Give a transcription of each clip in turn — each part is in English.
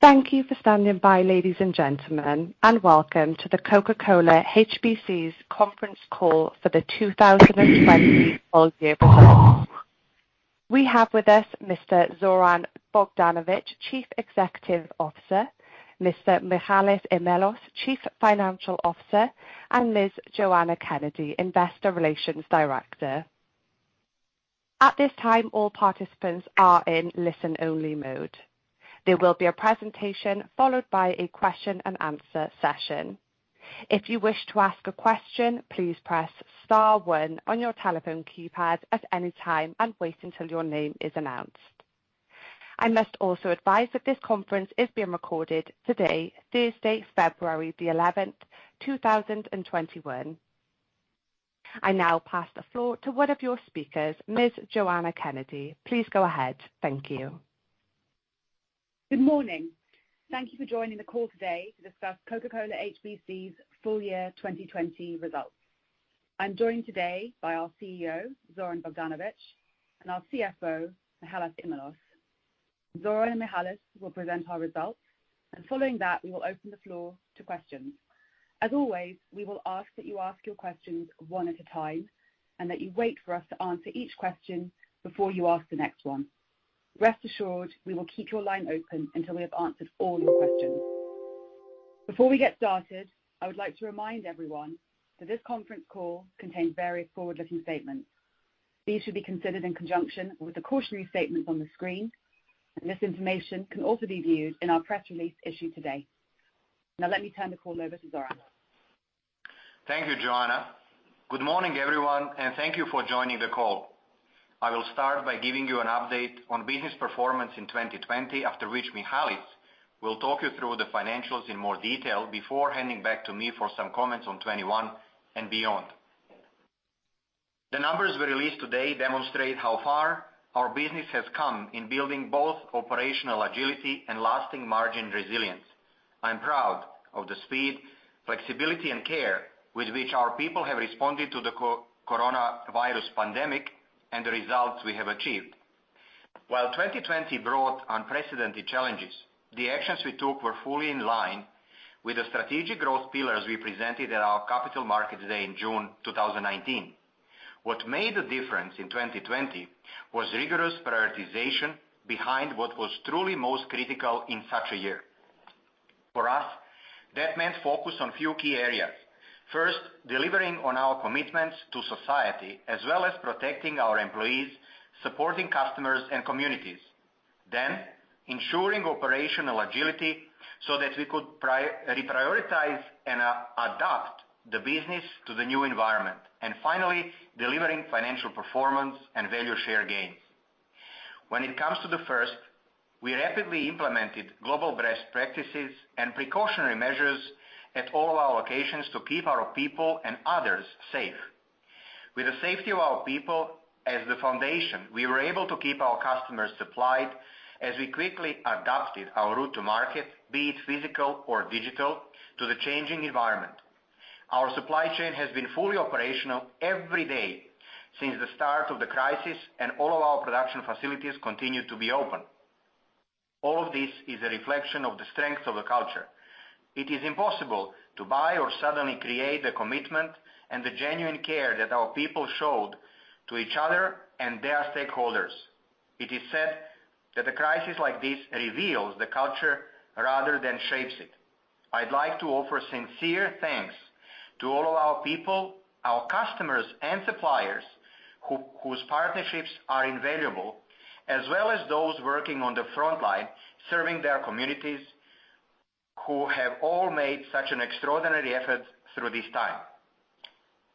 Thank you for standing by, ladies and gentlemen, and welcome to the Coca-Cola HBC's conference call for the 2020 full year results. We have with us Mr. Zoran Bogdanovic, Chief Executive Officer, Mr. Michalis Imellos, Chief Financial Officer, and Ms. Joanna Kennedy, Investor Relations Director. At this time, all participants are in listen-only mode. There will be a presentation followed by a question-and-answer session. If you wish to ask a question, please press star one on your telephone keypad at any time and wait until your name is announced. I must also advise that this conference is being recorded today, Thursday, February the 11th, 2021. I now pass the floor to one of your speakers, Ms. Joanna Kennedy. Please go ahead. Thank you. Good morning. Thank you for joining the call today to discuss Coca-Cola HBC's full year 2020 results. I'm joined today by our CEO, Zoran Bogdanovic, and our CFO, Michalis Imellos. Zoran and Michalis will present our results, and following that, we will open the floor to questions. As always, we will ask that you ask your questions one at a time and that you wait for us to answer each question before you ask the next one. Rest assured, we will keep your line open until we have answered all your questions. Before we get started, I would like to remind everyone that this conference call contains various forward-looking statements. These should be considered in conjunction with the cautionary statements on the screen, and this information can also be viewed in our press release issued today. Now, let me turn the call over to Zoran. Thank you, Joanna. Good morning, everyone, and thank you for joining the call. I will start by giving you an update on business performance in 2020, after which Michalis will talk you through the financials in more detail before handing back to me for some comments on 2021 and beyond. The numbers we released today demonstrate how far our business has come in building both operational agility and lasting margin resilience. I'm proud of the speed, flexibility, and care with which our people have responded to the coronavirus pandemic and the results we have achieved. While 2020 brought unprecedented challenges, the actions we took were fully in line with the strategic growth pillars we presented at our Capital Markets Day in June 2019. What made the difference in 2020 was rigorous prioritization behind what was truly most critical in such a year. For us, that meant focus on a few key areas: first, delivering on our commitments to society as well as protecting our employees, supporting customers, and communities, then ensuring operational agility so that we could reprioritize and adapt the business to the new environment, and finally delivering financial performance and value share gains. When it comes to the first, we rapidly implemented global best practices and precautionary measures at all our locations to keep our people and others safe. With the safety of our people as the foundation, we were able to keep our customers supplied as we quickly adapted our route to market, be it physical or digital, to the changing environment. Our supply chain has been fully operational every day since the start of the crisis, and all of our production facilities continue to be open. All of this is a reflection of the strength of the culture. It is impossible to buy or suddenly create the commitment and the genuine care that our people showed to each other and their stakeholders. It is said that a crisis like this reveals the culture rather than shapes it. I'd like to offer sincere thanks to all of our people, our customers, and suppliers whose partnerships are invaluable, as well as those working on the front line serving their communities who have all made such an extraordinary effort through this time.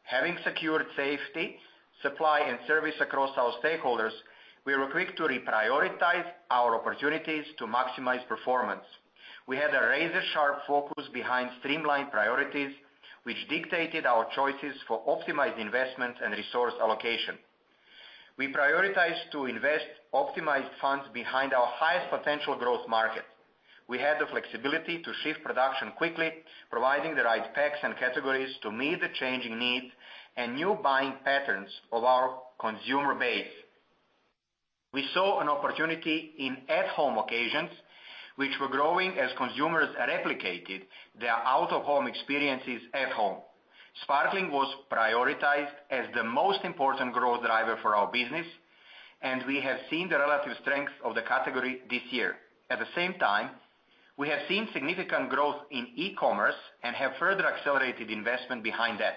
Having secured safety, supply, and service across our stakeholders, we were quick to reprioritize our opportunities to maximize performance. We had a razor-sharp focus behind streamlined priorities, which dictated our choices for optimized investment and resource allocation. We prioritized to invest optimized funds behind our highest potential growth market. We had the flexibility to shift production quickly, providing the right packs and categories to meet the changing needs and new buying patterns of our consumer base. We saw an opportunity in at-home occasions, which were growing as consumers replicated their out-of-home experiences at home. Sparkling was prioritized as the most important growth driver for our business, and we have seen the relative strength of the category this year. At the same time, we have seen significant growth in e-commerce and have further accelerated investment behind that.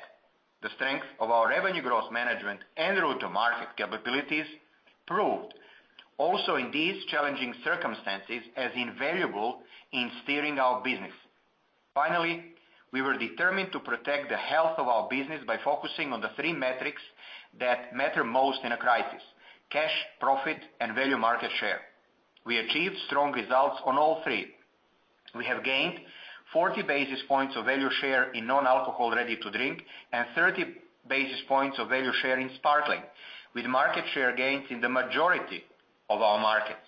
The strength of our revenue growth management and route-to-market capabilities proved, also in these challenging circumstances, as invaluable in steering our business. Finally, we were determined to protect the health of our business by focusing on the three metrics that matter most in a crisis: cash, profit, and value market share. We achieved strong results on all three. We have gained 40 basis points of value share in non-alcoholic ready-to-drink and 30 basis points of value share in sparkling, with market share gains in the majority of our markets.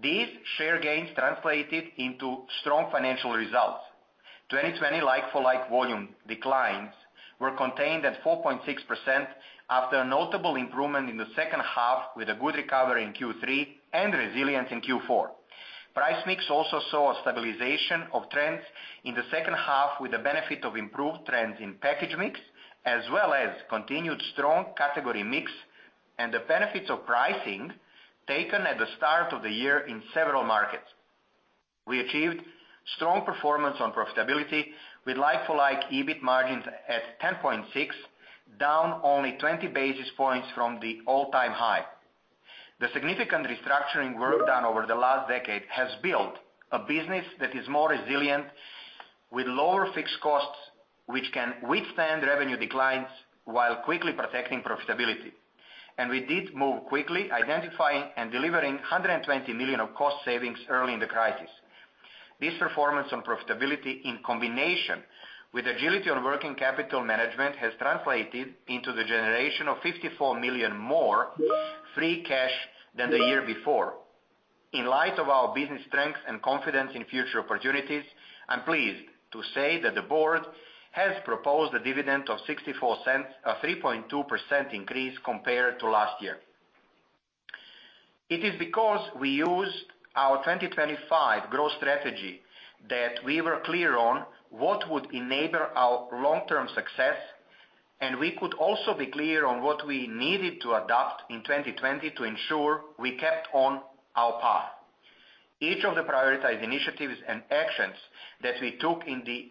These share gains translated into strong financial results. 2020 like-for-like volume declines were contained at 4.6% after a notable improvement in the second half, with a good recovery in Q3 and resilience in Q4. Price mix also saw a stabilization of trends in the second half, with the benefit of improved trends in package mix, as well as continued strong category mix and the benefits of pricing taken at the start of the year in several markets. We achieved strong performance on profitability with like-for-like EBIT margins at 10.6, down only 20 basis points from the all-time high. The significant restructuring work done over the last decade has built a business that is more resilient, with lower fixed costs, which can withstand revenue declines while quickly protecting profitability, and we did move quickly, identifying and delivering 120 million of cost savings early in the crisis. This performance on profitability, in combination with agility on working capital management, has translated into the generation of 54 million more free cash than the year before. In light of our business strength and confidence in future opportunities, I'm pleased to say that the board has proposed a dividend of 3.2% increase compared to last year. It is because we used our 2025 growth strategy that we were clear on what would enable our long-term success, and we could also be clear on what we needed to adopt in 2020 to ensure we kept on our path. Each of the prioritized initiatives and actions that we took in the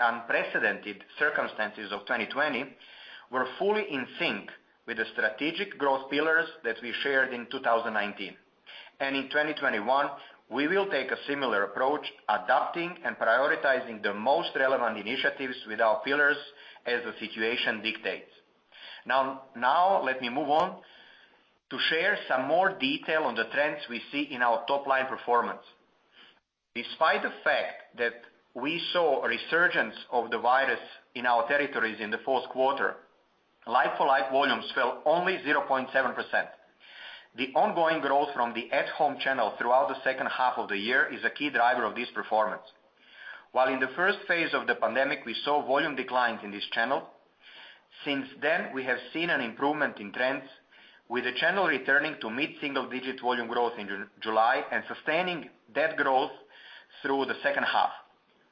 unprecedented circumstances of 2020 were fully in sync with the strategic growth pillars that we shared in 2019. And in 2021, we will take a similar approach, adapting and prioritizing the most relevant initiatives with our pillars as the situation dictates. Now, let me move on to share some more detail on the trends we see in our top-line performance. Despite the fact that we saw a resurgence of the virus in our territories in the fourth quarter, like-for-like volumes fell only 0.7%. The ongoing growth from the at-home channel throughout the second half of the year is a key driver of this performance. While in the first phase of the pandemic, we saw volume declines in this channel, since then, we have seen an improvement in trends, with the channel returning to mid-single-digit volume growth in July and sustaining that growth through the second half.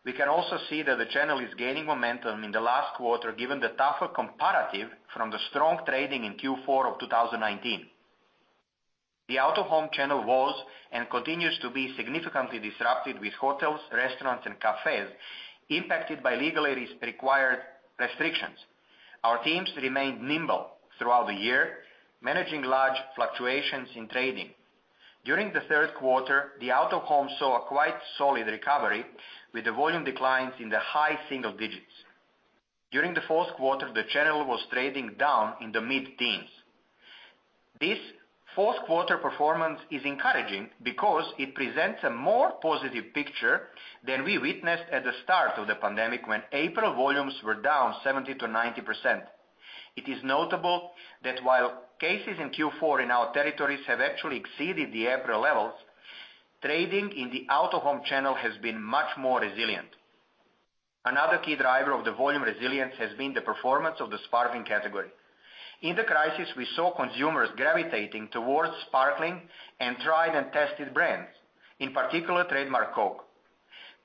We can also see that the channel is gaining momentum in the last quarter, given the tougher comparative from the strong trading in Q4 of 2019. The out-of-home channel was and continues to be significantly disrupted, with hotels, restaurants, and cafés impacted by legally required restrictions. Our teams remained nimble throughout the year, managing large fluctuations in trading. During the third quarter, the out-of-home saw a quite solid recovery, with the volume declines in the high single digits. During the fourth quarter, the channel was trading down in the mid-teens. This fourth quarter performance is encouraging because it presents a more positive picture than we witnessed at the start of the pandemic when April volumes were down 70%-90%. It is notable that while cases in Q4 in our territories have actually exceeded the April levels, trading in the out-of-home channel has been much more resilient. Another key driver of the volume resilience has been the performance of the sparkling category. In the crisis, we saw consumers gravitating towards sparkling and tried-and-tested brands, in particular, Trademark Coke.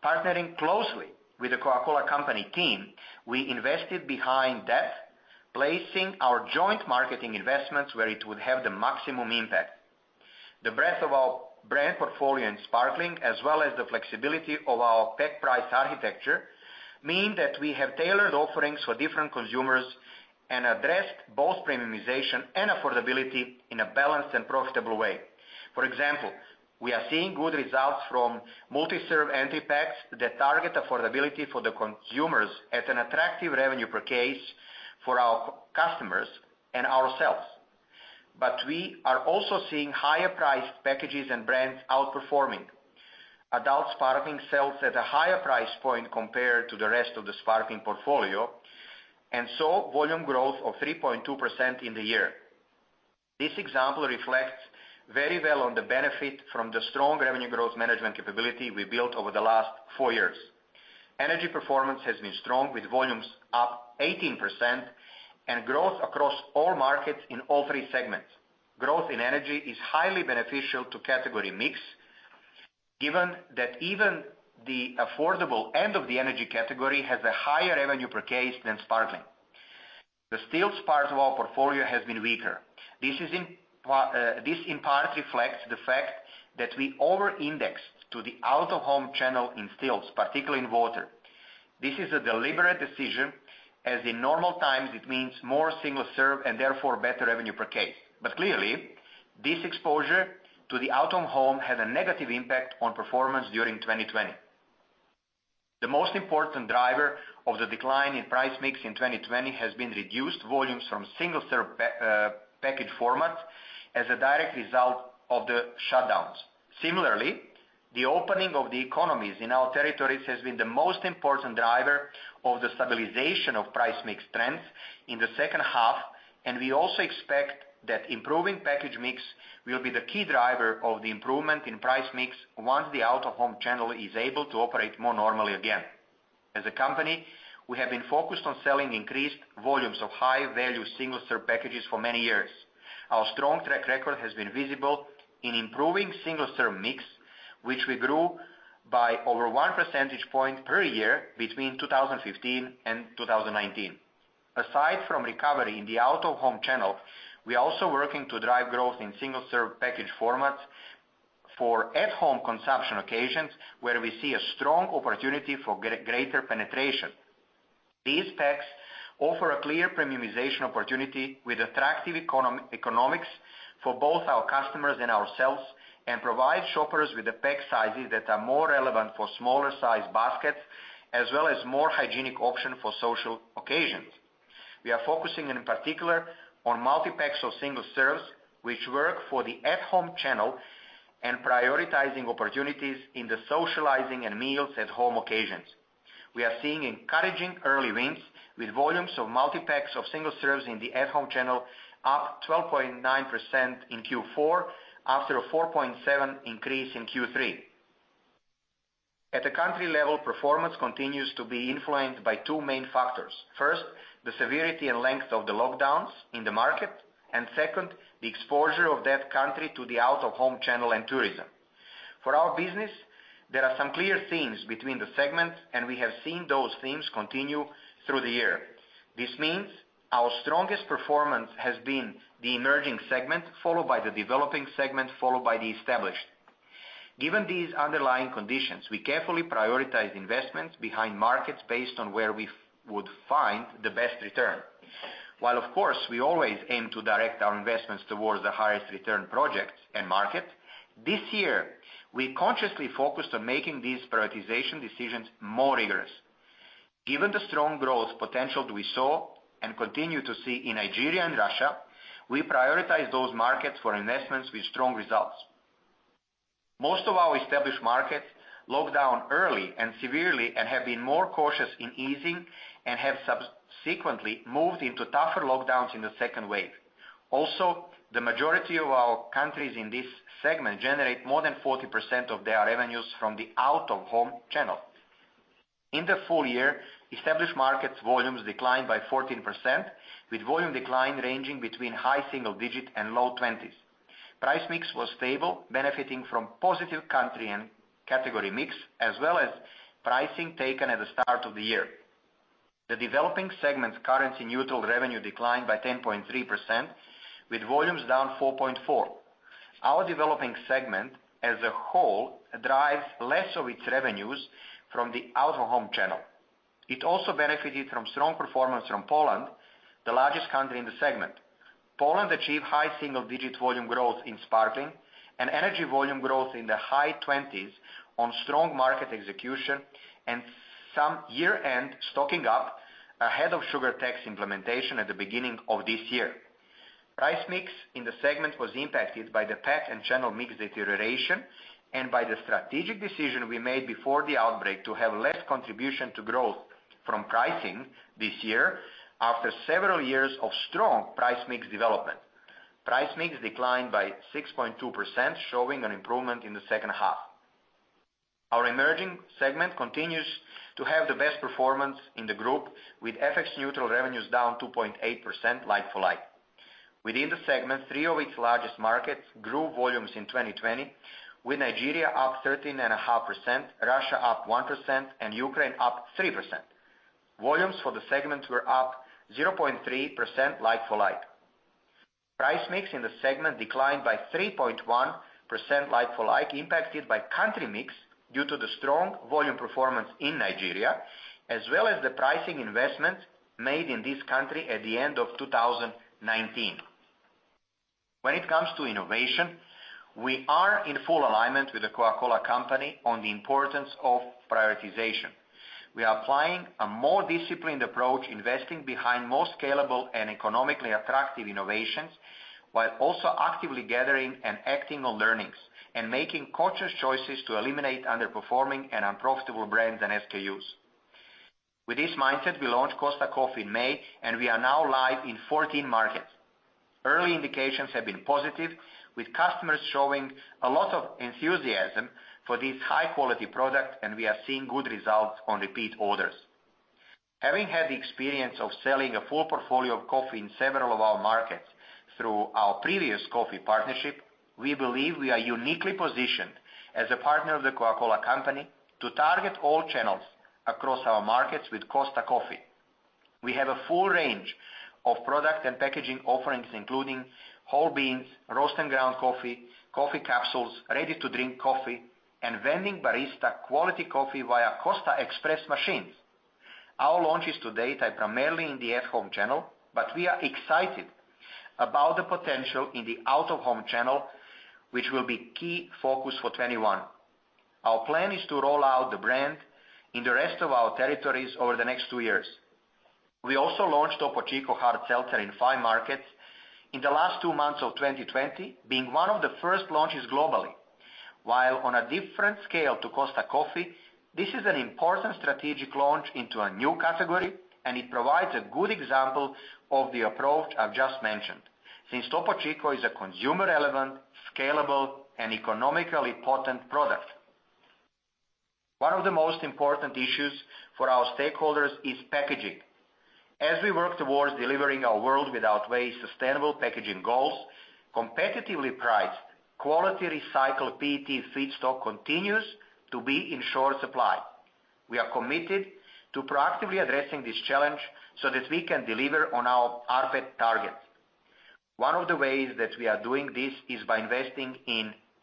Partnering closely with the Coca-Cola Company team, we invested behind that, placing our joint marketing investments where it would have the maximum impact. The breadth of our brand portfolio in sparkling, as well as the flexibility of our pack price architecture, mean that we have tailored offerings for different consumers and addressed both premiumization and affordability in a balanced and profitable way. For example, we are seeing good results from multi-serve entry packs that target affordability for the consumers at an attractive revenue per case for our customers and ourselves. But we are also seeing higher-priced packages and brands outperforming. Adult sparkling sells at a higher price point compared to the rest of the sparkling portfolio, and so volume growth of 3.2% in the year. This example reflects very well on the benefit from the strong revenue growth management capability we built over the last four years. Energy performance has been strong, with volumes up 18% and growth across all markets in all three segments. Growth in energy is highly beneficial to category mix, given that even the affordable end of the energy category has a higher revenue per case than sparkling. The still part of our portfolio has been weaker. This in part reflects the fact that we over-indexed to the out-of-home channel in stills, particularly in water. This is a deliberate decision, as in normal times, it means more single serve and therefore better revenue per case. But clearly, this exposure to the out-of-home has a negative impact on performance during 2020. The most important driver of the decline in price mix in 2020 has been reduced volumes from single serve package format as a direct result of the shutdowns. Similarly, the opening of the economies in our territories has been the most important driver of the stabilization of price mix trends in the second half, and we also expect that improving package mix will be the key driver of the improvement in price mix once the out-of-home channel is able to operate more normally again. As a company, we have been focused on selling increased volumes of high-value single serve packages for many years. Our strong track record has been visible in improving single serve mix, which we grew by over one percentage point per year between 2015 and 2019. Aside from recovery in the out-of-home channel, we are also working to drive growth in single serve package format for at-home consumption occasions where we see a strong opportunity for greater penetration. These packs offer a clear premiumization opportunity with attractive economics for both our customers and ourselves, and provide shoppers with the pack sizes that are more relevant for smaller-sized baskets, as well as more hygienic options for social occasions. We are focusing in particular on multi-packs of single serves, which work for the at-home channel and prioritizing opportunities in the socializing and meals at home occasions. We are seeing encouraging early wins with volumes of multi-packs of single serves in the at-home channel up 12.9% in Q4 after a 4.7% increase in Q3. At the country level, performance continues to be influenced by two main factors. First, the severity and length of the lockdowns in the market, and second, the exposure of that country to the out-of-home channel and tourism. For our business, there are some clear themes between the segments, and we have seen those themes continue through the year. This means our strongest performance has been the emerging segment, followed by the developing segment, followed by the established. Given these underlying conditions, we carefully prioritize investments behind markets based on where we would find the best return. While, of course, we always aim to direct our investments towards the highest return projects and markets, this year, we consciously focused on making these prioritization decisions more rigorous. Given the strong growth potential we saw and continue to see in Nigeria and Russia, we prioritize those markets for investments with strong results. Most of our established markets locked down early and severely and have been more cautious in easing and have subsequently moved into tougher lockdowns in the second wave. Also, the majority of our countries in this segment generate more than 40% of their revenues from the out-of-home channel. In the full year, established markets' volumes declined by 14%, with volume decline ranging between high single digits and low 20s. Price mix was stable, benefiting from positive country and category mix, as well as pricing taken at the start of the year. The developing segment's currency-neutral revenue declined by 10.3%, with volumes down 4.4%. Our developing segment, as a whole, drives less of its revenues from the out-of-home channel. It also benefited from strong performance from Poland, the largest country in the segment. Poland achieved high single-digit volume growth in sparkling and energy volume growth in the high 20s on strong market execution and some year-end stocking up ahead of sugar tax implementation at the beginning of this year. Price mix in the segment was impacted by the pack and channel mix deterioration and by the strategic decision we made before the outbreak to have less contribution to growth from pricing this year after several years of strong price mix development. Price mix declined by 6.2%, showing an improvement in the second half. Our emerging segment continues to have the best performance in the group, with FX-neutral revenues down 2.8% like-for-like. Within the segment, three of its largest markets grew volumes in 2020, with Nigeria up 13.5%, Russia up 1%, and Ukraine up 3%. Volumes for the segment were up 0.3% like-for-like. Price mix in the segment declined by 3.1% like-for-like, impacted by country mix due to the strong volume performance in Nigeria, as well as the pricing investments made in this country at the end of 2019. When it comes to innovation, we are in full alignment with The Coca-Cola Company on the importance of prioritization. We are applying a more disciplined approach, investing behind most scalable and economically attractive innovations, while also actively gathering and acting on learnings and making conscious choices to eliminate underperforming and unprofitable brands and SKUs. With this mindset, we launched Costa Coffee in May, and we are now live in 14 markets. Early indications have been positive, with customers showing a lot of enthusiasm for this high-quality product, and we are seeing good results on repeat orders. Having had the experience of selling a full portfolio of coffee in several of our markets through our previous coffee partnership, we believe we are uniquely positioned as a partner of The Coca-Cola Company to target all channels across our markets with Costa Coffee. We have a full range of product and packaging offerings, including whole beans, roast and ground coffee, coffee capsules, ready-to-drink coffee, and vending barista quality coffee via Costa Express machines. Our launches to date are primarily in the at-home channel, but we are excited about the potential in the out-of-home channel, which will be a key focus for 2021. Our plan is to roll out the brand in the rest of our territories over the next two years. We also launched Topo Chico Hard Seltzer in five markets in the last two months of 2020, being one of the first launches globally. While on a different scale to Costa Coffee, this is an important strategic launch into a new category, and it provides a good example of the approach I've just mentioned, since Topo Chico is a consumer-relevant, scalable, and economically potent product. One of the most important issues for our stakeholders is packaging. As we work towards delivering our World Without Waste sustainable packaging goals, competitively priced, quality recycled PET feedstock continues to be in short supply. We are committed to proactively addressing this challenge so that we can deliver on our rPET targets. One of the ways that we are doing this is by investing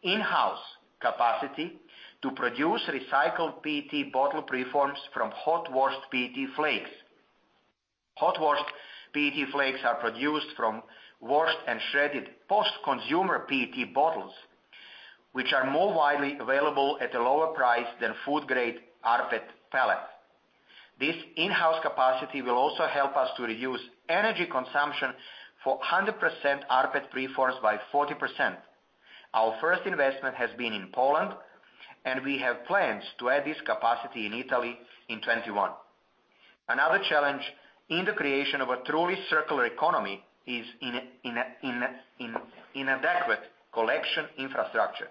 in-house capacity to produce recycled PET bottle preforms from hot-washed PET flakes. Hot-washed PET flakes are produced from washed and shredded post-consumer PET bottles, which are more widely available at a lower price than food-grade rPET pellets. This in-house capacity will also help us to reduce energy consumption for 100% rPET preforms by 40%. Our first investment has been in Poland, and we have plans to add this capacity in Italy in 2021. Another challenge in the creation of a truly circular economy is inadequate collection infrastructure.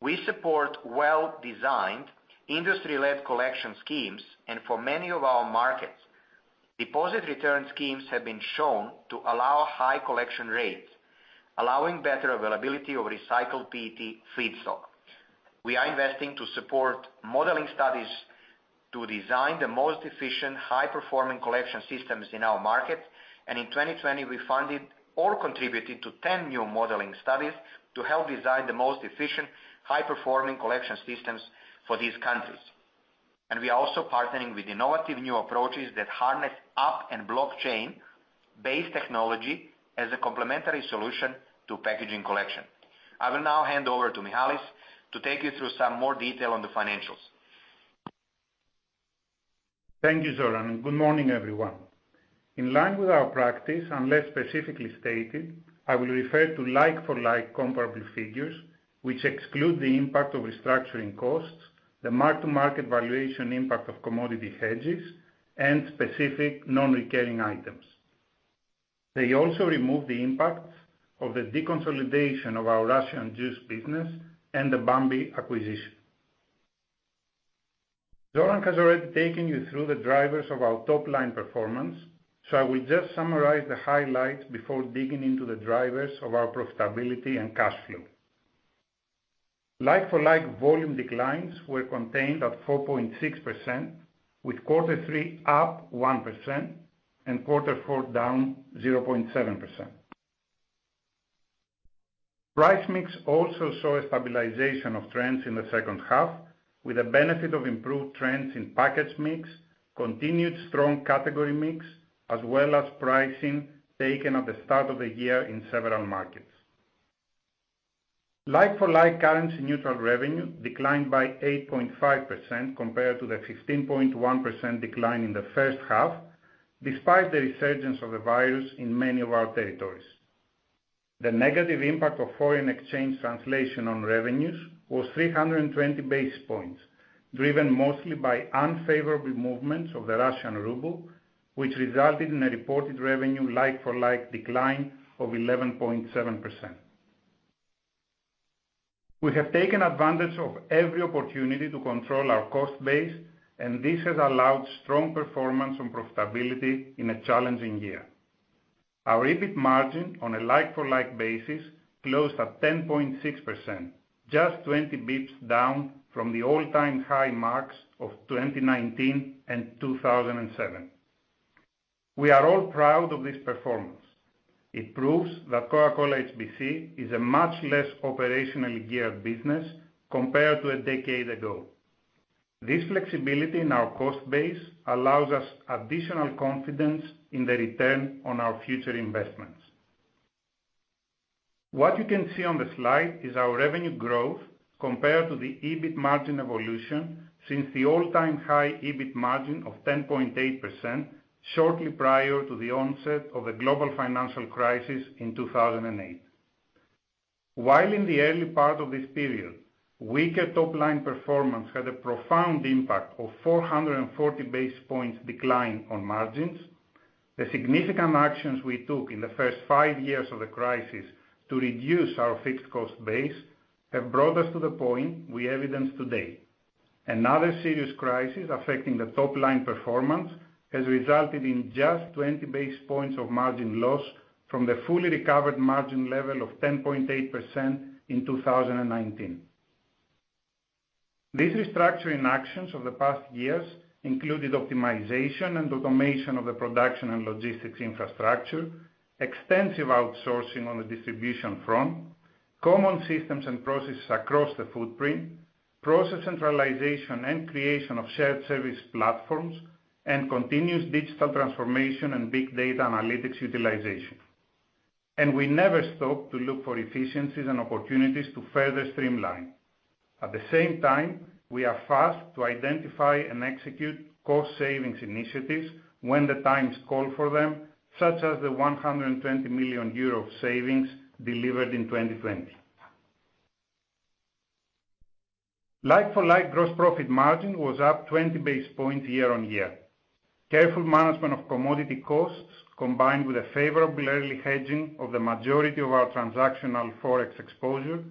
We support well-designed industry-led collection schemes, and for many of our markets, deposit return schemes have been shown to allow high collection rates, allowing better availability of recycled PET feedstock. We are investing to support modeling studies to design the most efficient, high-performing collection systems in our markets, and in 2020, we funded or contributed to 10 new modeling studies to help design the most efficient, high-performing collection systems for these countries, and we are also partnering with innovative new approaches that harness AI and blockchain-based technology as a complementary solution to packaging collection. I will now hand over to Michalis to take you through some more detail on the financials. Thank you, Zoran. Good morning, everyone. In line with our practice, unless specifically stated, I will refer to like-for-like comparable figures, which exclude the impact of restructuring costs, the mark-to-market valuation impact of commodity hedges, and specific non-recurring items. They also remove the impact of the deconsolidation of our Russian juice business and the Bambi acquisition. Zoran has already taken you through the drivers of our top-line performance, so I will just summarize the highlights before digging into the drivers of our profitability and cash flow. Like-for-like volume declines were contained at 4.6%, with quarter three up 1% and quarter four down 0.7%. Price mix also saw a stabilization of trends in the second half, with the benefit of improved trends in package mix, continued strong category mix, as well as pricing taken at the start of the year in several markets. Like-for-like currency-neutral revenue declined by 8.5% compared to the 15.1% decline in the first half, despite the resurgence of the virus in many of our territories. The negative impact of foreign exchange translation on revenues was 320 basis points, driven mostly by unfavorable movements of the Russian ruble, which resulted in a reported revenue like-for-like decline of 11.7%. We have taken advantage of every opportunity to control our cost base, and this has allowed strong performance on profitability in a challenging year. Our EBIT margin on a like-for-like basis closed at 10.6%, just 20 basis points down from the all-time high marks of 2019 and 2007. We are all proud of this performance. It proves that Coca-Cola HBC is a much less operationally geared business compared to a decade ago. This flexibility in our cost base allows us additional confidence in the return on our future investments. What you can see on the slide is our revenue growth compared to the EBIT margin evolution since the all-time high EBIT margin of 10.8% shortly prior to the onset of the global financial crisis in 2008. While in the early part of this period, weaker top-line performance had a profound impact of 440 basis points decline on margins, the significant actions we took in the first five years of the crisis to reduce our fixed cost base have brought us to the point we evidence today. Another serious crisis affecting the top-line performance has resulted in just 20 basis points of margin loss from the fully recovered margin level of 10.8% in 2019. These restructuring actions of the past years included optimization and automation of the production and logistics infrastructure, extensive outsourcing on the distribution front, common systems and processes across the footprint, process centralization and creation of shared service platforms, and continuous digital transformation and big data analytics utilization, and we never stop to look for efficiencies and opportunities to further streamline. At the same time, we are fast to identify and execute cost savings initiatives when the times call for them, such as the €120 million savings delivered in 2020. Like-for-like gross profit margin was up 20 basis points year on year. Careful management of commodity costs, combined with a favorable early hedging of the majority of our transactional forex exposure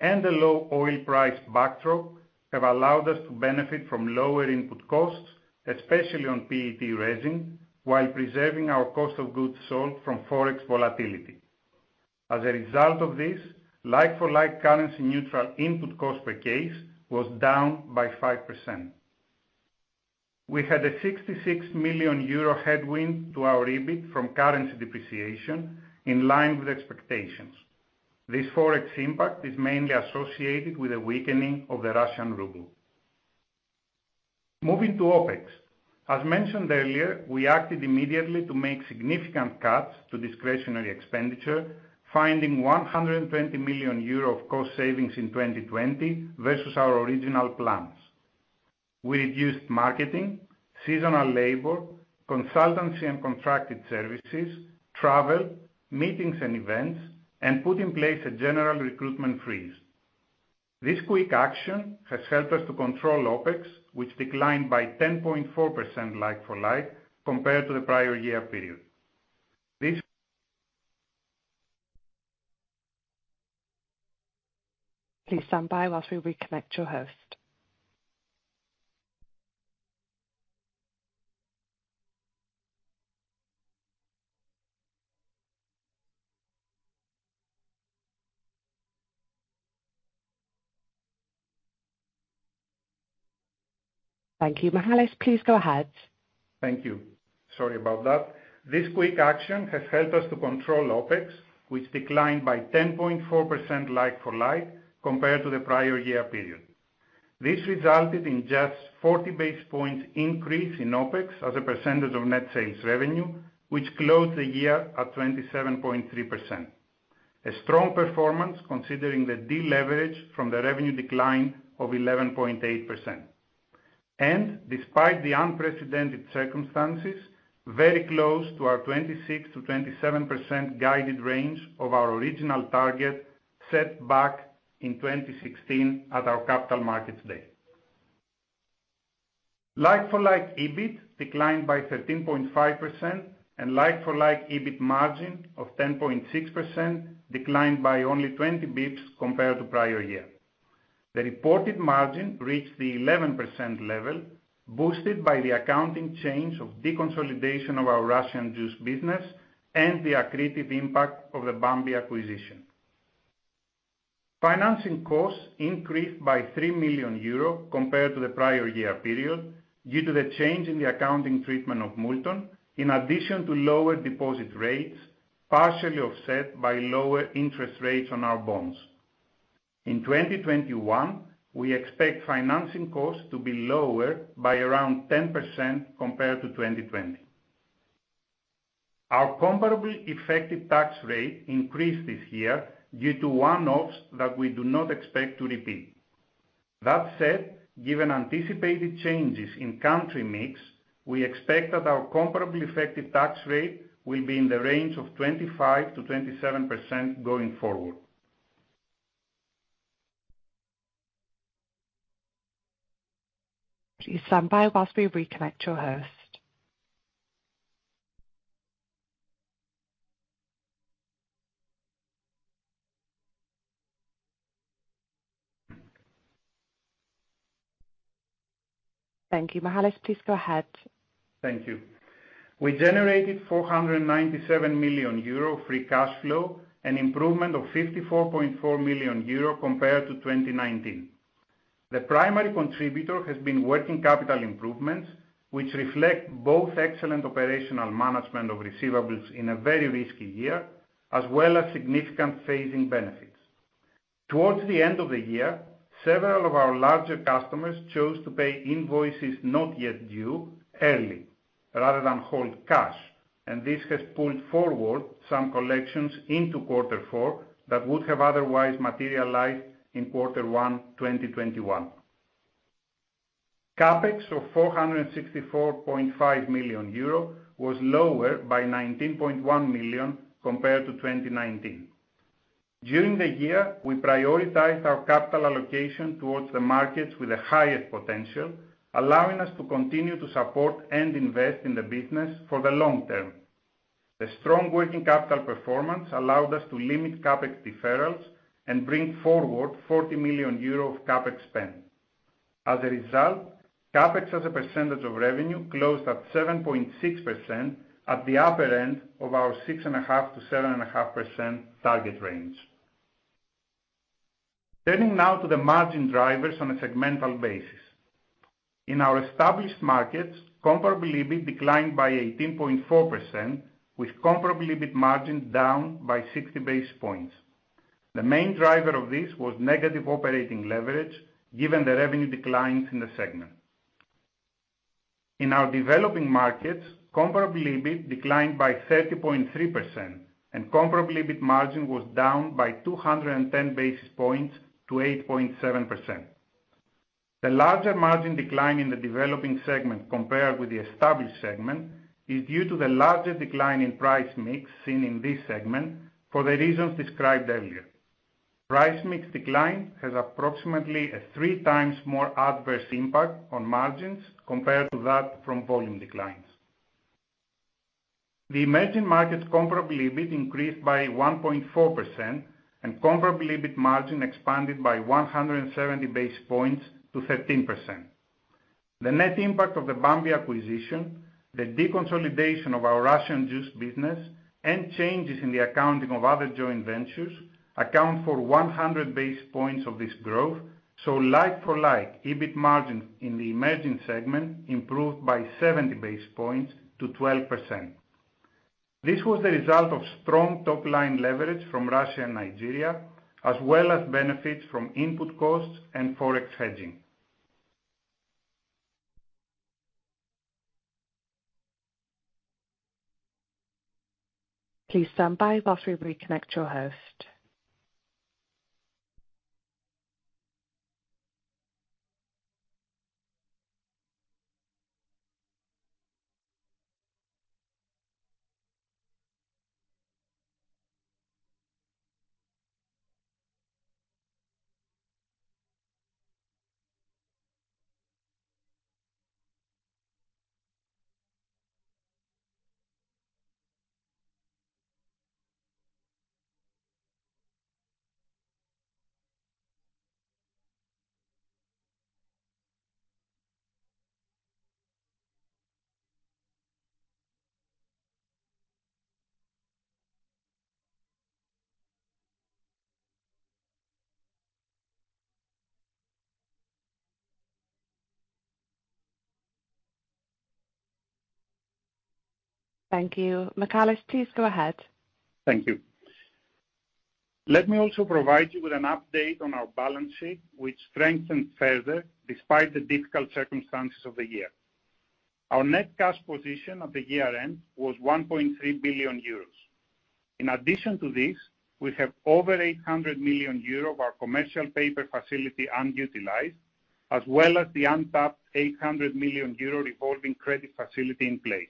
and the low oil price backdrop, have allowed us to benefit from lower input costs, especially on PET resin, while preserving our cost of goods sold from forex volatility. As a result of this, like-for-like currency-neutral input cost per case was down by 5%. We had a €66 million headwind to our EBIT from currency depreciation, in line with expectations. This forex impact is mainly associated with the weakening of the Russian ruble. Moving to OpEx. As mentioned earlier, we acted immediately to make significant cuts to discretionary expenditure, finding €120 million of cost savings in 2020 versus our original plans. We reduced marketing, seasonal labor, consultancy and contracted services, travel, meetings and events, and put in place a general recruitment freeze. This quick action has helped us to control OpEx, which declined by 10.4% like-for-like compared to the prior year period. This. Please stand by while we reconnect your host. Thank you. Michalis, please go ahead. Thank you. Sorry about that. This quick action has helped us to control OpEx, which declined by 10.4% like-for-like compared to the prior year period. This resulted in just 40 basis points increase in OpEx as a percentage of net sales revenue, which closed the year at 27.3%. A strong performance considering the deleverage from the revenue decline of 11.8%, and despite the unprecedented circumstances, very close to our 26%-27% guided range of our original target set back in 2016 at our capital markets day. Like-for-like EBIT declined by 13.5%, and like-for-like EBIT margin of 10.6% declined by only 20 basis points compared to prior year. The reported margin reached the 11% level, boosted by the accounting change of deconsolidation of our Russian juice business and the accretive impact of the Bambi acquisition. Financing costs increased by 3 million euros compared to the prior year period due to the change in the accounting treatment of Multon, in addition to lower deposit rates, partially offset by lower interest rates on our bonds. In 2021, we expect financing costs to be lower by around 10% compared to 2020. Our comparable effective tax rate increased this year due to one-offs that we do not expect to repeat. That said, given anticipated changes in country mix, we expect that our comparable effective tax rate will be in the range of 25%-27% going forward. Please stand by while we reconnect your host. Thank you. Michalis, please go ahead. Thank you. We generated 497 million euro free cash flow and improvement of 54.4 million euro compared to 2019. The primary contributor has been working capital improvements, which reflect both excellent operational management of receivables in a very risky year, as well as significant phasing benefits. Towards the end of the year, several of our larger customers chose to pay invoices not yet due early, rather than hold cash, and this has pulled forward some collections into quarter four that would have otherwise materialized in quarter one 2021. CapEx of 464.5 million euro was lower by 19.1 million compared to 2019. During the year, we prioritized our capital allocation towards the markets with the highest potential, allowing us to continue to support and invest in the business for the long term. The strong working capital performance allowed us to limit CapEx deferrals and bring forward 40 million euro of CapEx spend. As a result, CapEx as a percentage of revenue closed at 7.6% at the upper end of our 6.5%-7.5% target range. Turning now to the margin drivers on a segmental basis. In our established markets, comparable EBIT declined by 18.4%, with comparable EBIT margin down by 60 basis points. The main driver of this was negative operating leverage, given the revenue declines in the segment. In our developing markets, comparable EBIT declined by 30.3%, and comparable EBIT margin was down by 210 basis points to 8.7%. The larger margin decline in the developing segment compared with the established segment is due to the larger decline in price mix seen in this segment for the reasons described earlier. Price mix decline has approximately a three times more adverse impact on margins compared to that from volume declines. The emerging markets comparable EBIT increased by 1.4%, and comparable EBIT margin expanded by 170 basis points to 13%. The net impact of the Bambi acquisition, the deconsolidation of our Russian juice business, and changes in the accounting of other joint ventures account for 100 basis points of this growth, so like-for-like EBIT margin in the emerging segment improved by 70 basis points to 12%. This was the result of strong top-line leverage from Russia and Nigeria, as well as benefits from input costs and forex hedging. Please stand by while we reconnect your host. Thank you. Michalis, please go ahead. Thank you. Let me also provide you with an update on our balance sheet, which strengthened further despite the difficult circumstances of the year. Our net cash position at the year-end was 1.3 billion euros. In addition to this, we have over €800 million of our commercial paper facility unutilized, as well as the untapped €800 million revolving credit facility in place.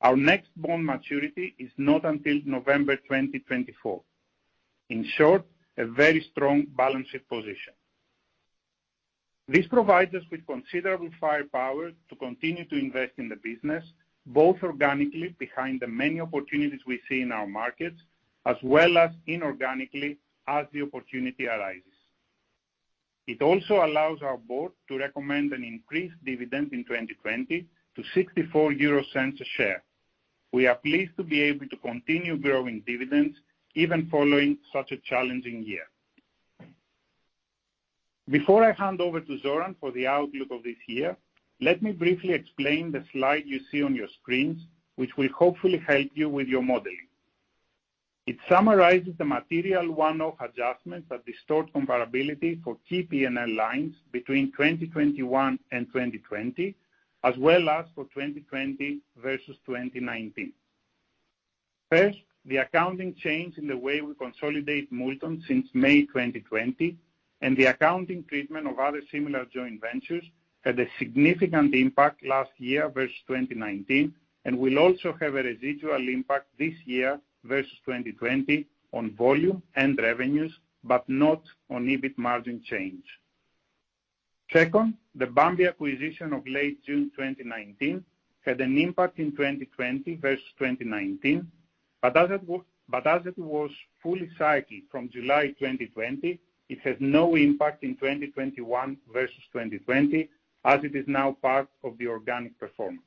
Our next bond maturity is not until November 2024. In short, a very strong balance sheet position. This provides us with considerable firepower to continue to invest in the business, both organically behind the many opportunities we see in our markets, as well as inorganically as the opportunity arises. It also allows our board to recommend an increased dividend in 2020 to €0.64 a share. We are pleased to be able to continue growing dividends even following such a challenging year. Before I hand over to Zoran for the outlook of this year, let me briefly explain the slide you see on your screens, which will hopefully help you with your modeling. It summarizes the material one-off adjustments that restore comparability for key P&L lines between 2021 and 2020, as well as for 2020 versus 2019. First, the accounting change in the way we consolidate Multon since May 2020 and the accounting treatment of other similar joint ventures had a significant impact last year versus 2019, and will also have a residual impact this year versus 2020 on volume and revenues, but not on EBIT margin change. Second, the Bambi acquisition of late June 2019 had an impact in 2020 versus 2019, but as it was fully cycled from July 2020, it has no impact in 2021 versus 2020, as it is now part of the organic performance.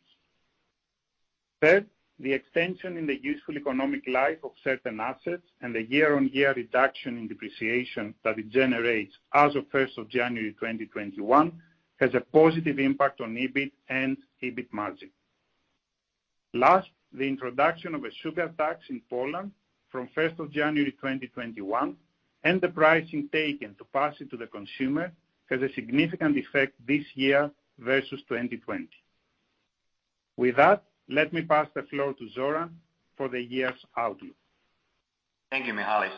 Third, the extension in the useful economic life of certain assets and the year-on-year reduction in depreciation that it generates as of 1 January 2021 has a positive impact on EBIT and EBIT margin. Last, the introduction of a sugar tax in Poland from 1 January 2021 and the pricing taken to pass it to the consumer has a significant effect this year versus 2020. With that, let me pass the floor to Zoran for the year's outlook. Thank you, Michalis.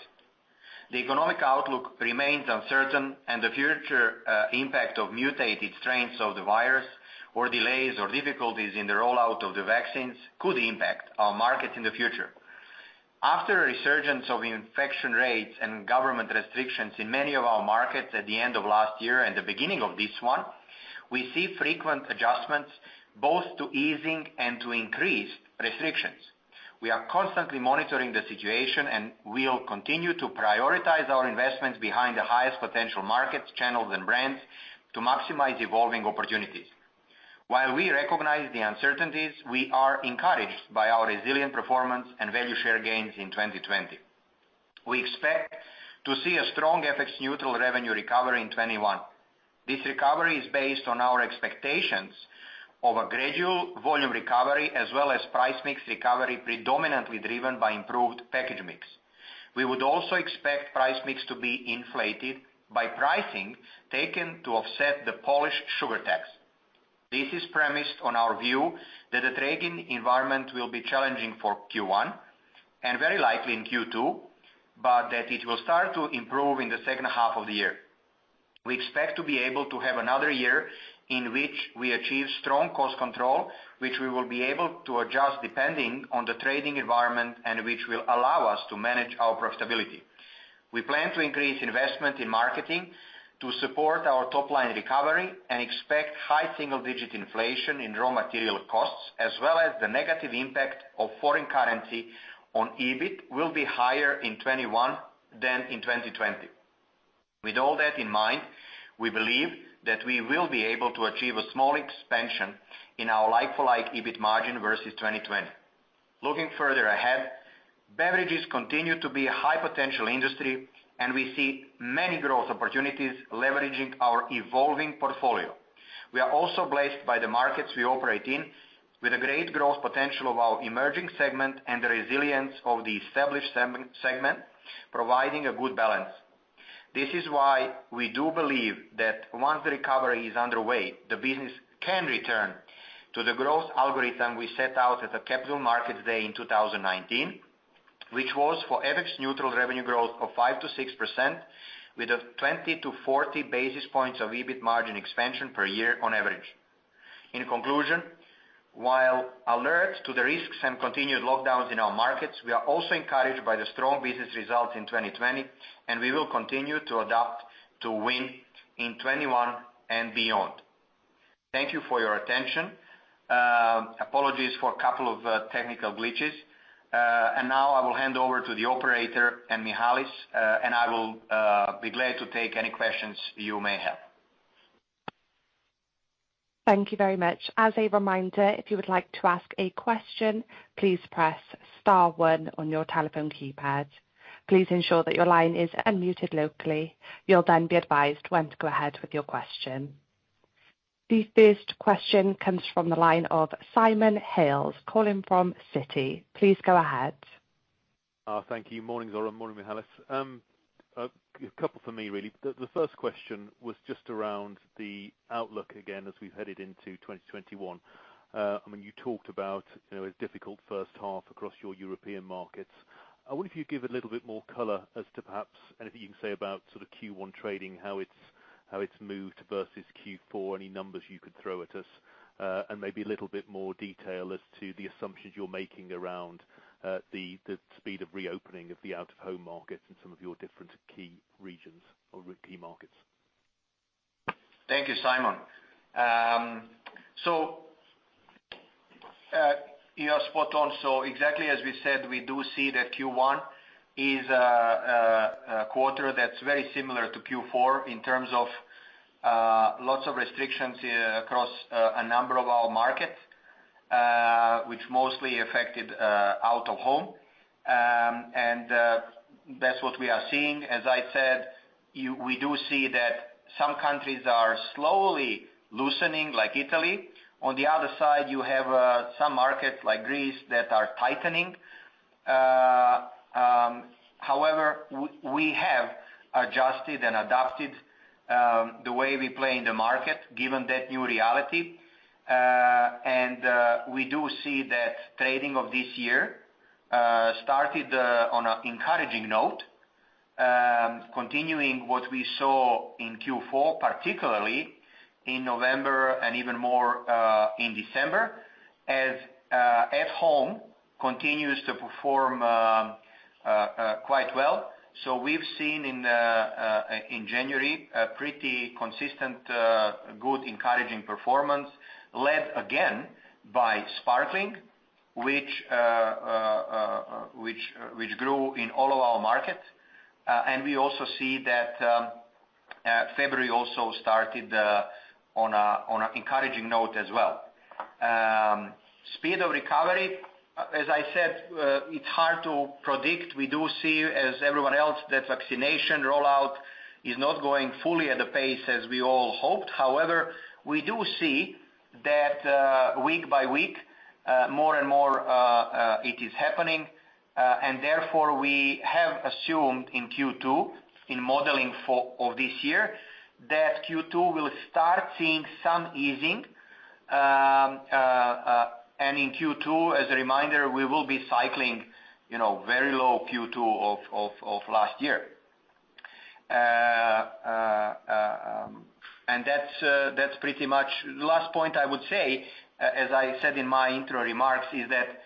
The economic outlook remains uncertain, and the future impact of mutated strains of the virus, or delays or difficulties in the rollout of the vaccines could impact our markets in the future. After a resurgence of infection rates and government restrictions in many of our markets at the end of last year and the beginning of this one, we see frequent adjustments both to easing and to increased restrictions. We are constantly monitoring the situation and will continue to prioritize our investments behind the highest potential markets, channels, and brands to maximize evolving opportunities. While we recognize the uncertainties, we are encouraged by our resilient performance and value share gains in 2020. We expect to see a strong FX-neutral revenue recovery in 2021. This recovery is based on our expectations of a gradual volume recovery as well as price mix recovery predominantly driven by improved package mix. We would also expect price mix to be inflated by pricing taken to offset the Polish sugar tax. This is premised, in our view, that the trading environment will be challenging for Q1 and very likely in Q2, but that it will start to improve in the second half of the year. We expect to be able to have another year in which we achieve strong cost control, which we will be able to adjust depending on the trading environment and which will allow us to manage our profitability. We plan to increase investment in marketing to support our top-line recovery and expect high single-digit inflation in raw material costs, as well as the negative impact of foreign currency on EBIT will be higher in 2021 than in 2020. With all that in mind, we believe that we will be able to achieve a small expansion in our like-for-like EBIT margin versus 2020. Looking further ahead, beverages continue to be a high-potential industry, and we see many growth opportunities leveraging our evolving portfolio. We are also blessed by the markets we operate in, with a great growth potential of our emerging segment and the resilience of the established segment providing a good balance. This is why we do believe that once the recovery is underway, the business can return to the growth algorithm we set out at the Capital Markets Day in 2019, which was for FX-neutral revenue growth of 5%-6%, with 20-40 basis points of EBIT margin expansion per year on average. In conclusion, while alert to the risks and continued lockdowns in our markets, we are also encouraged by the strong business results in 2020, and we will continue to adapt to win in 2021 and beyond. Thank you for your attention. Apologies for a couple of technical glitches. Now I will hand over to the operator and Michalis, and I will be glad to take any questions you may have. Thank you very much. As a reminder, if you would like to ask a question, please press star one on your telephone keypad. Please ensure that your line is unmuted locally. You'll then be advised when to go ahead with your question. The first question comes from the line of Simon Hales calling from Citi. Please go ahead. Thank you. Morning, Zoran. Morning, Michalis. A couple for me, really. The first question was just around the outlook again as we've headed into 2021. I mean, you talked about a difficult first half across your European markets. I wonder if you'd give a little bit more color as to perhaps anything you can say about sort of Q1 trading, how it's moved versus Q4, any numbers you could throw at us, and maybe a little bit more detail as to the assumptions you're making around the speed of reopening of the out-of-home markets in some of your different key regions or key markets? Thank you, Simon. So you are spot on. So exactly as we said, we do see that Q1 is a quarter that's very similar to Q4 in terms of lots of restrictions across a number of our markets, which mostly affected out-of-home. And that's what we are seeing. As I said, we do see that some countries are slowly loosening, like Italy. On the other side, you have some markets like Greece that are tightening. However, we have adjusted and adapted the way we play in the market given that new reality. And we do see that trading of this year started on an encouraging note, continuing what we saw in Q4, particularly in November and even more in December, as at-home continues to perform quite well. So we've seen in January a pretty consistent, good, encouraging performance led again by sparkling, which grew in all of our markets. And we also see that February also started on an encouraging note as well. Speed of recovery, as I said, it's hard to predict. We do see, as everyone else, that vaccination rollout is not going fully at the pace as we all hoped. However, we do see that week by week, more and more it is happening. And therefore, we have assumed in Q2, in modeling for this year, that Q2 will start seeing some easing. And in Q2, as a reminder, we will be cycling very low Q2 of last year. And that's pretty much the last point I would say, as I said in my intro remarks, is that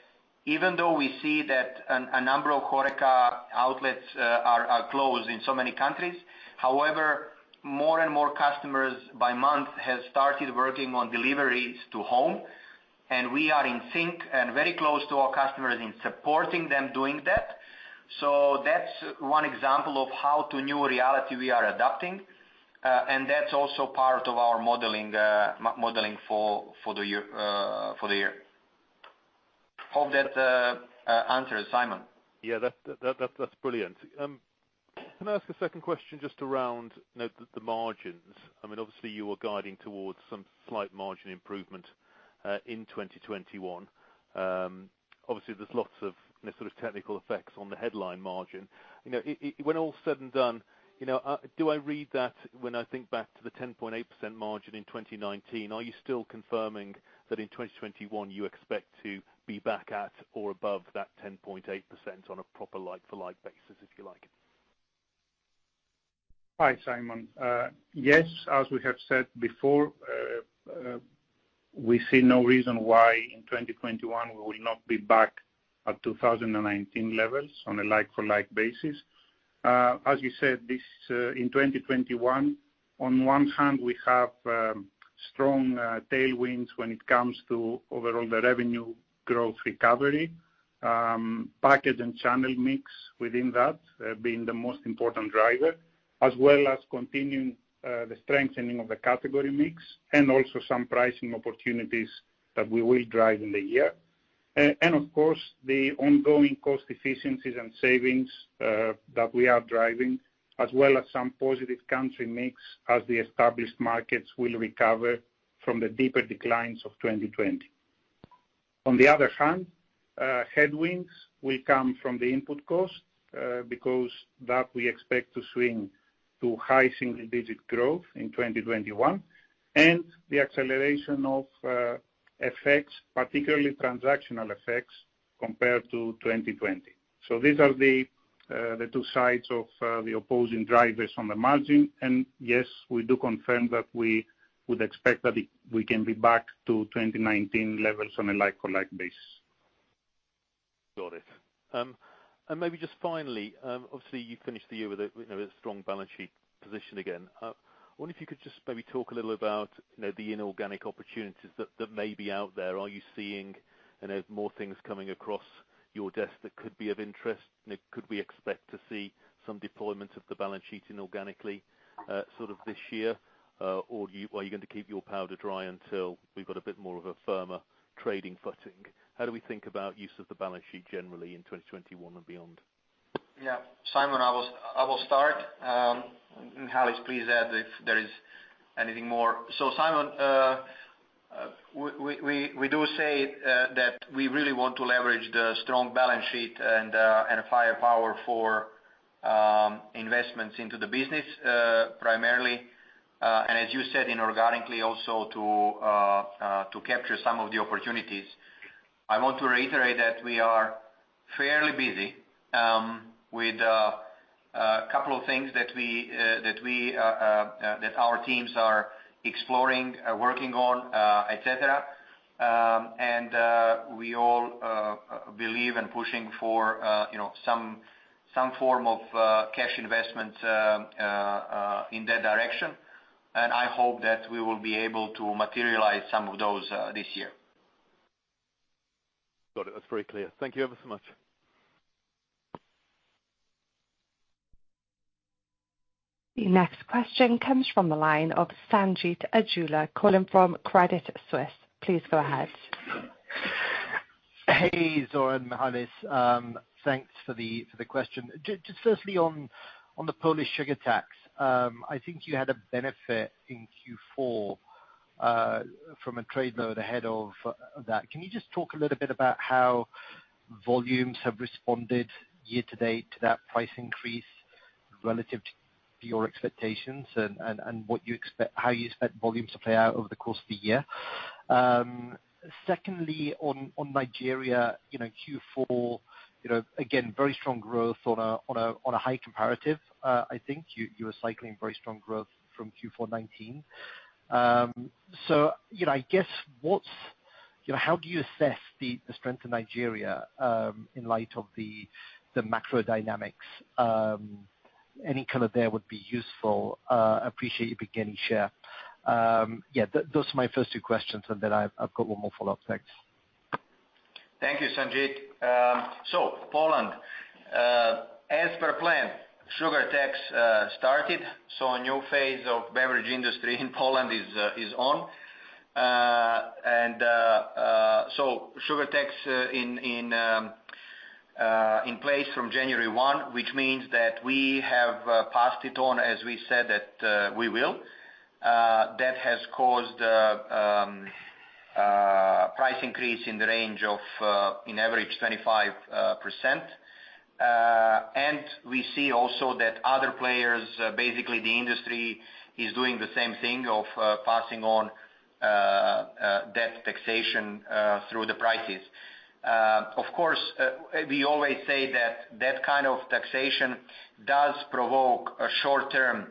even though we see that a number of HORECA outlets are closed in so many countries, however, more and more customers month by month have started working on deliveries to home. And we are in sync and very close to our customers in supporting them doing that. So that's one example of how to the new reality we are adapting. And that's also part of our modeling for the year. Hope that answered, Simon. Yeah, that's brilliant. Can I ask a second question just around the margins? I mean, obviously, you were guiding towards some slight margin improvement in 2021. Obviously, there's lots of sort of technical effects on the headline margin. When all's said and done, do I read that when I think back to the 10.8% margin in 2019, are you still confirming that in 2021 you expect to be back at or above that 10.8% on a proper like-for-like basis, if you like? Hi, Simon. Yes, as we have said before, we see no reason why in 2021 we will not be back at 2019 levels on a like-for-like basis. As you said, in 2021, on one hand, we have strong tailwinds when it comes to overall the revenue growth recovery, package and channel mix within that being the most important driver, as well as continuing the strengthening of the category mix and also some pricing opportunities that we will drive in the year. Of course, the ongoing cost efficiencies and savings that we are driving, as well as some positive country mix as the established markets will recover from the deeper declines of 2020. On the other hand, headwinds will come from the input cost because that we expect to swing to high single-digit growth in 2021 and the acceleration of effects, particularly transactional effects compared to 2020. These are the two sides of the opposing drivers on the margin. Yes, we do confirm that we would expect that we can be back to 2019 levels on a like-for-like basis. Got it. Maybe just finally, obviously, you finished the year with a strong balance sheet position again. I wonder if you could just maybe talk a little about the inorganic opportunities that may be out there. Are you seeing more things coming across your desk that could be of interest? Could we expect to see some deployment of the balance sheet inorganically sort of this year, or are you going to keep your powder dry until we've got a bit more of a firmer trading footing? How do we think about use of the balance sheet generally in 2021 and beyond? Yeah. Simon, I will start. Michalis, please add if there is anything more. So Simon, we do say that we really want to leverage the strong balance sheet and firepower for investments into the business primarily. And as you said, inorganically also to capture some of the opportunities. I want to reiterate that we are fairly busy with a couple of things that our teams are exploring, working on, etc. And we all believe in pushing for some form of cash investments in that direction. I hope that we will be able to materialize some of those this year. Got it. That's very clear. Thank you ever so much. The next question comes from the line of Sanjeet Aujla calling from Credit Suisse. Please go ahead. Hey, Zoran, Michalis. Thanks for the question. Just firstly, on the Polish sugar tax, I think you had a benefit in Q4 from a trade load ahead of that. Can you just talk a little bit about how volumes have responded year to date to that price increase relative to your expectations and how you expect volumes to play out over the course of the year? Secondly, on Nigeria, Q4, again, very strong growth on a high comparative. I think you were cycling very strong growth from Q4 2019. So I guess how do you assess the strength of Nigeria in light of the macro dynamics? Any color there would be useful. Appreciate you beginning share. Yeah, those are my first two questions, and then I've got one more follow-up. Thanks. Thank you, Sanjeet. So Poland, as per plan, sugar tax started. So a new phase of beverage industry in Poland is on. And so sugar tax in place from January 1, which means that we have passed it on, as we said that we will. That has caused price increase in the range of, on average, 25%. And we see also that other players, basically the industry, is doing the same thing of passing on the taxation through the prices. Of course, we always say that that kind of taxation does provoke a short-term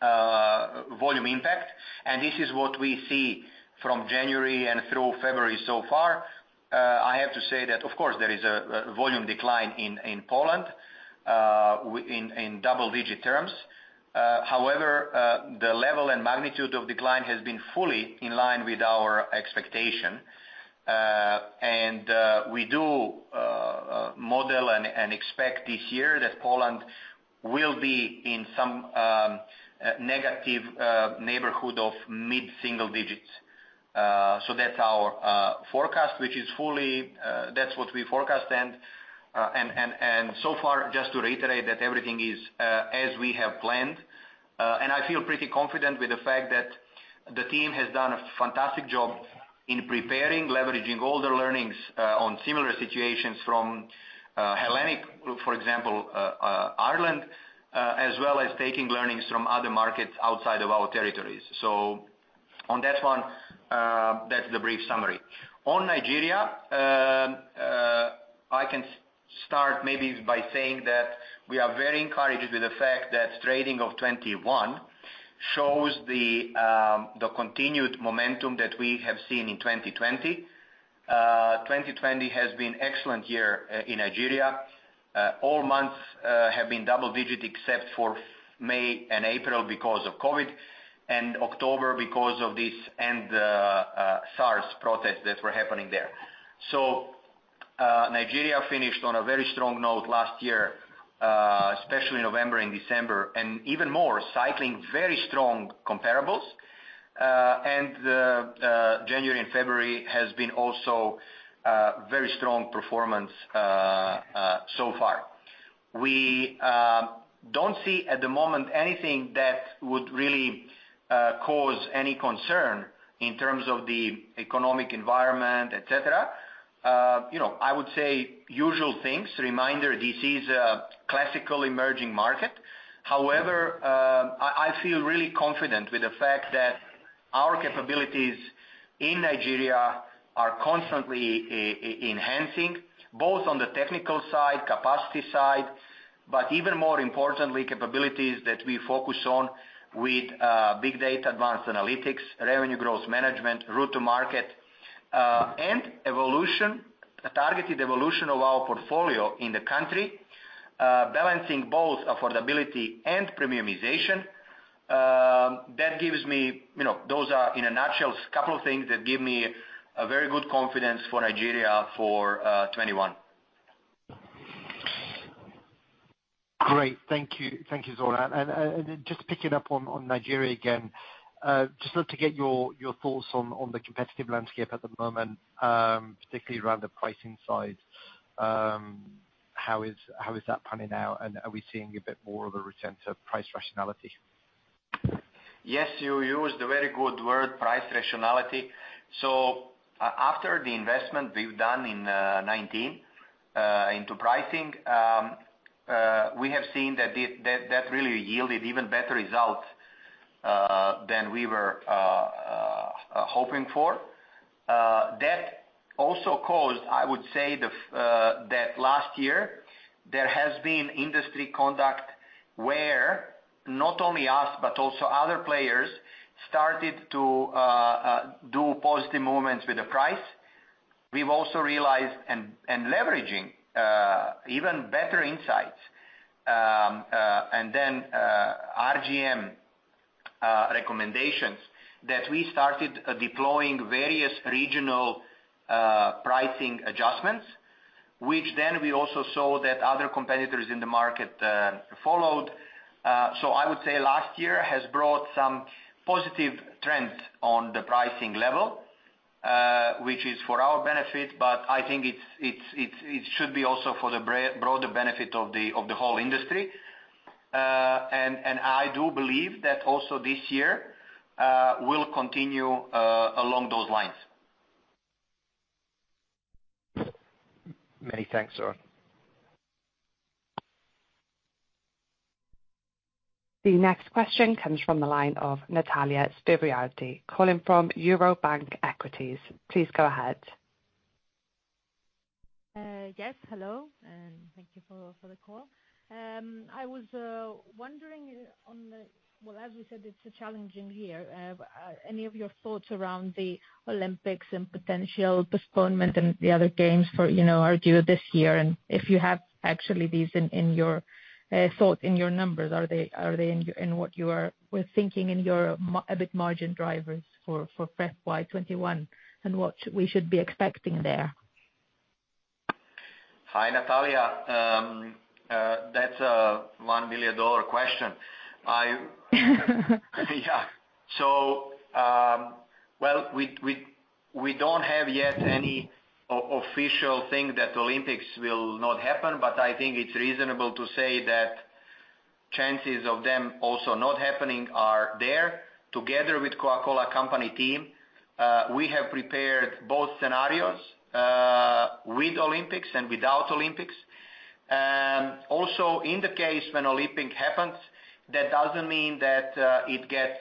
volume impact. And this is what we see from January and through February so far. I have to say that, of course, there is a volume decline in Poland in double-digit terms. However, the level and magnitude of decline has been fully in line with our expectation. We do model and expect this year that Poland will be in some negative neighborhood of mid-single digits. So that's our forecast, which is fully what we forecast. So far, just to reiterate that everything is as we have planned. I feel pretty confident with the fact that the team has done a fantastic job in preparing, leveraging all the learnings on similar situations from Hellenic, for example, Ireland, as well as taking learnings from other markets outside of our territories. So on that one, that's the brief summary. On Nigeria, I can start maybe by saying that we are very encouraged with the fact that trading of 2021 shows the continued momentum that we have seen in 2020. 2020 has been an excellent year in Nigeria. All months have been double-digit except for May and April because of COVID and October because of this End SARS protests that were happening there. So Nigeria finished on a very strong note last year, especially November and December, and even more cycling very strong comparables and January and February has been also very strong performance so far. We don't see at the moment anything that would really cause any concern in terms of the economic environment, etc. I would say usual things. Reminder, this is a classic emerging market. However, I feel really confident with the fact that our capabilities in Nigeria are constantly enhancing, both on the technical side, capacity side, but even more importantly, capabilities that we focus on with big data, advanced analytics, revenue growth management, route to market, and targeted evolution of our portfolio in the country, balancing both affordability and premiumization. That gives me. Those are, in a nutshell, a couple of things that give me very good confidence for Nigeria for 2021. Great. Thank you, Zoran. And just picking up on Nigeria again, just love to get your thoughts on the competitive landscape at the moment, particularly around the pricing side. How is that planning out? And are we seeing a bit more of a return to price rationality? Yes, you used a very good word, price rationality. So after the investment we've done in 2019 into pricing, we have seen that that really yielded even better results than we were hoping for. That also caused, I would say, that last year there has been industry conduct where not only us, but also other players started to do positive movements with the price. We've also realized and leveraging even better insights and then RGM recommendations that we started deploying various regional pricing adjustments, which then we also saw that other competitors in the market followed. So I would say last year has brought some positive trends on the pricing level, which is for our benefit, but I think it should be also for the broader benefit of the whole industry. And I do believe that also this year will continue along those lines. Many thanks, Zoran. The next question comes from the line of Natalia Spyrou calling from Eurobank Equities. Please go ahead. Yes, hello, and thank you for the call. I was wondering on the well, as we said, it's a challenging year. Any of your thoughts around the Olympics and potential postponement and the other games for our deal this year? And if you have actually these in your thoughts, in your numbers, are they in what you were thinking in your EBIT margin drivers for FY '21 and what we should be expecting there? Hi, Natalia. That's a $1 billion question. Yeah. So well, we don't have yet any official thing that Olympics will not happen, but I think it's reasonable to say that chances of them also not happening are there. Together with Coca-Cola Company team, we have prepared both scenarios with Olympics and without Olympics. Also, in the case when Olympic happens, that doesn't mean that it gets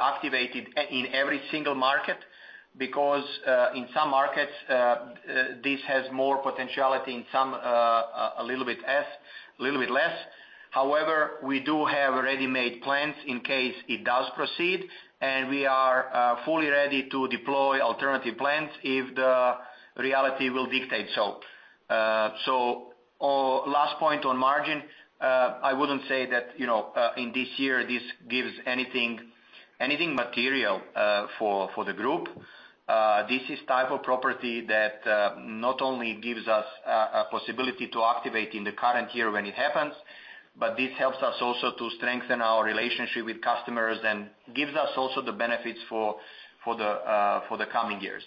activated in every single market because in some markets, this has more potentiality in some a little bit less. However, we do have ready-made plans in case it does proceed, and we are fully ready to deploy alternative plans if the reality will dictate so. The last point on margin: I wouldn't say that in this year this gives anything material for the group. This is type of property that not only gives us a possibility to activate in the current year when it happens, but this helps us also to strengthen our relationship with customers and gives us also the benefits for the coming years.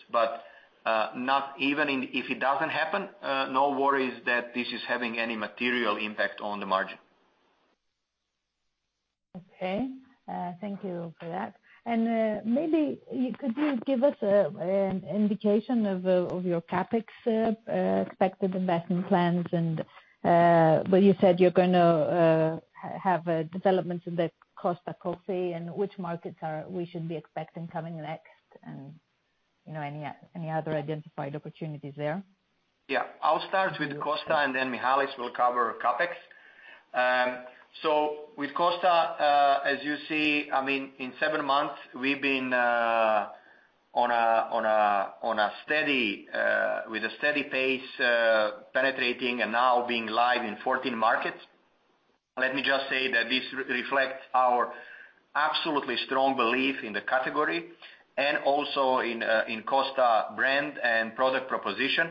But even if it doesn't happen, no worries that this is having any material impact on the margin. Okay. Thank you for that. And maybe could you give us an indication of your CapEx expected investment plans? And you said you're going to have developments in the Costa Coffee and which markets we should be expecting coming next and any other identified opportunities there. Yeah. I'll start with Costa, and then Michalis will cover CapEx. So with Costa, as you see, I mean, in seven months, we've been on a steady pace penetrating and now being live in 14 markets. Let me just say that this reflects our absolutely strong belief in the category and also in Costa brand and product proposition.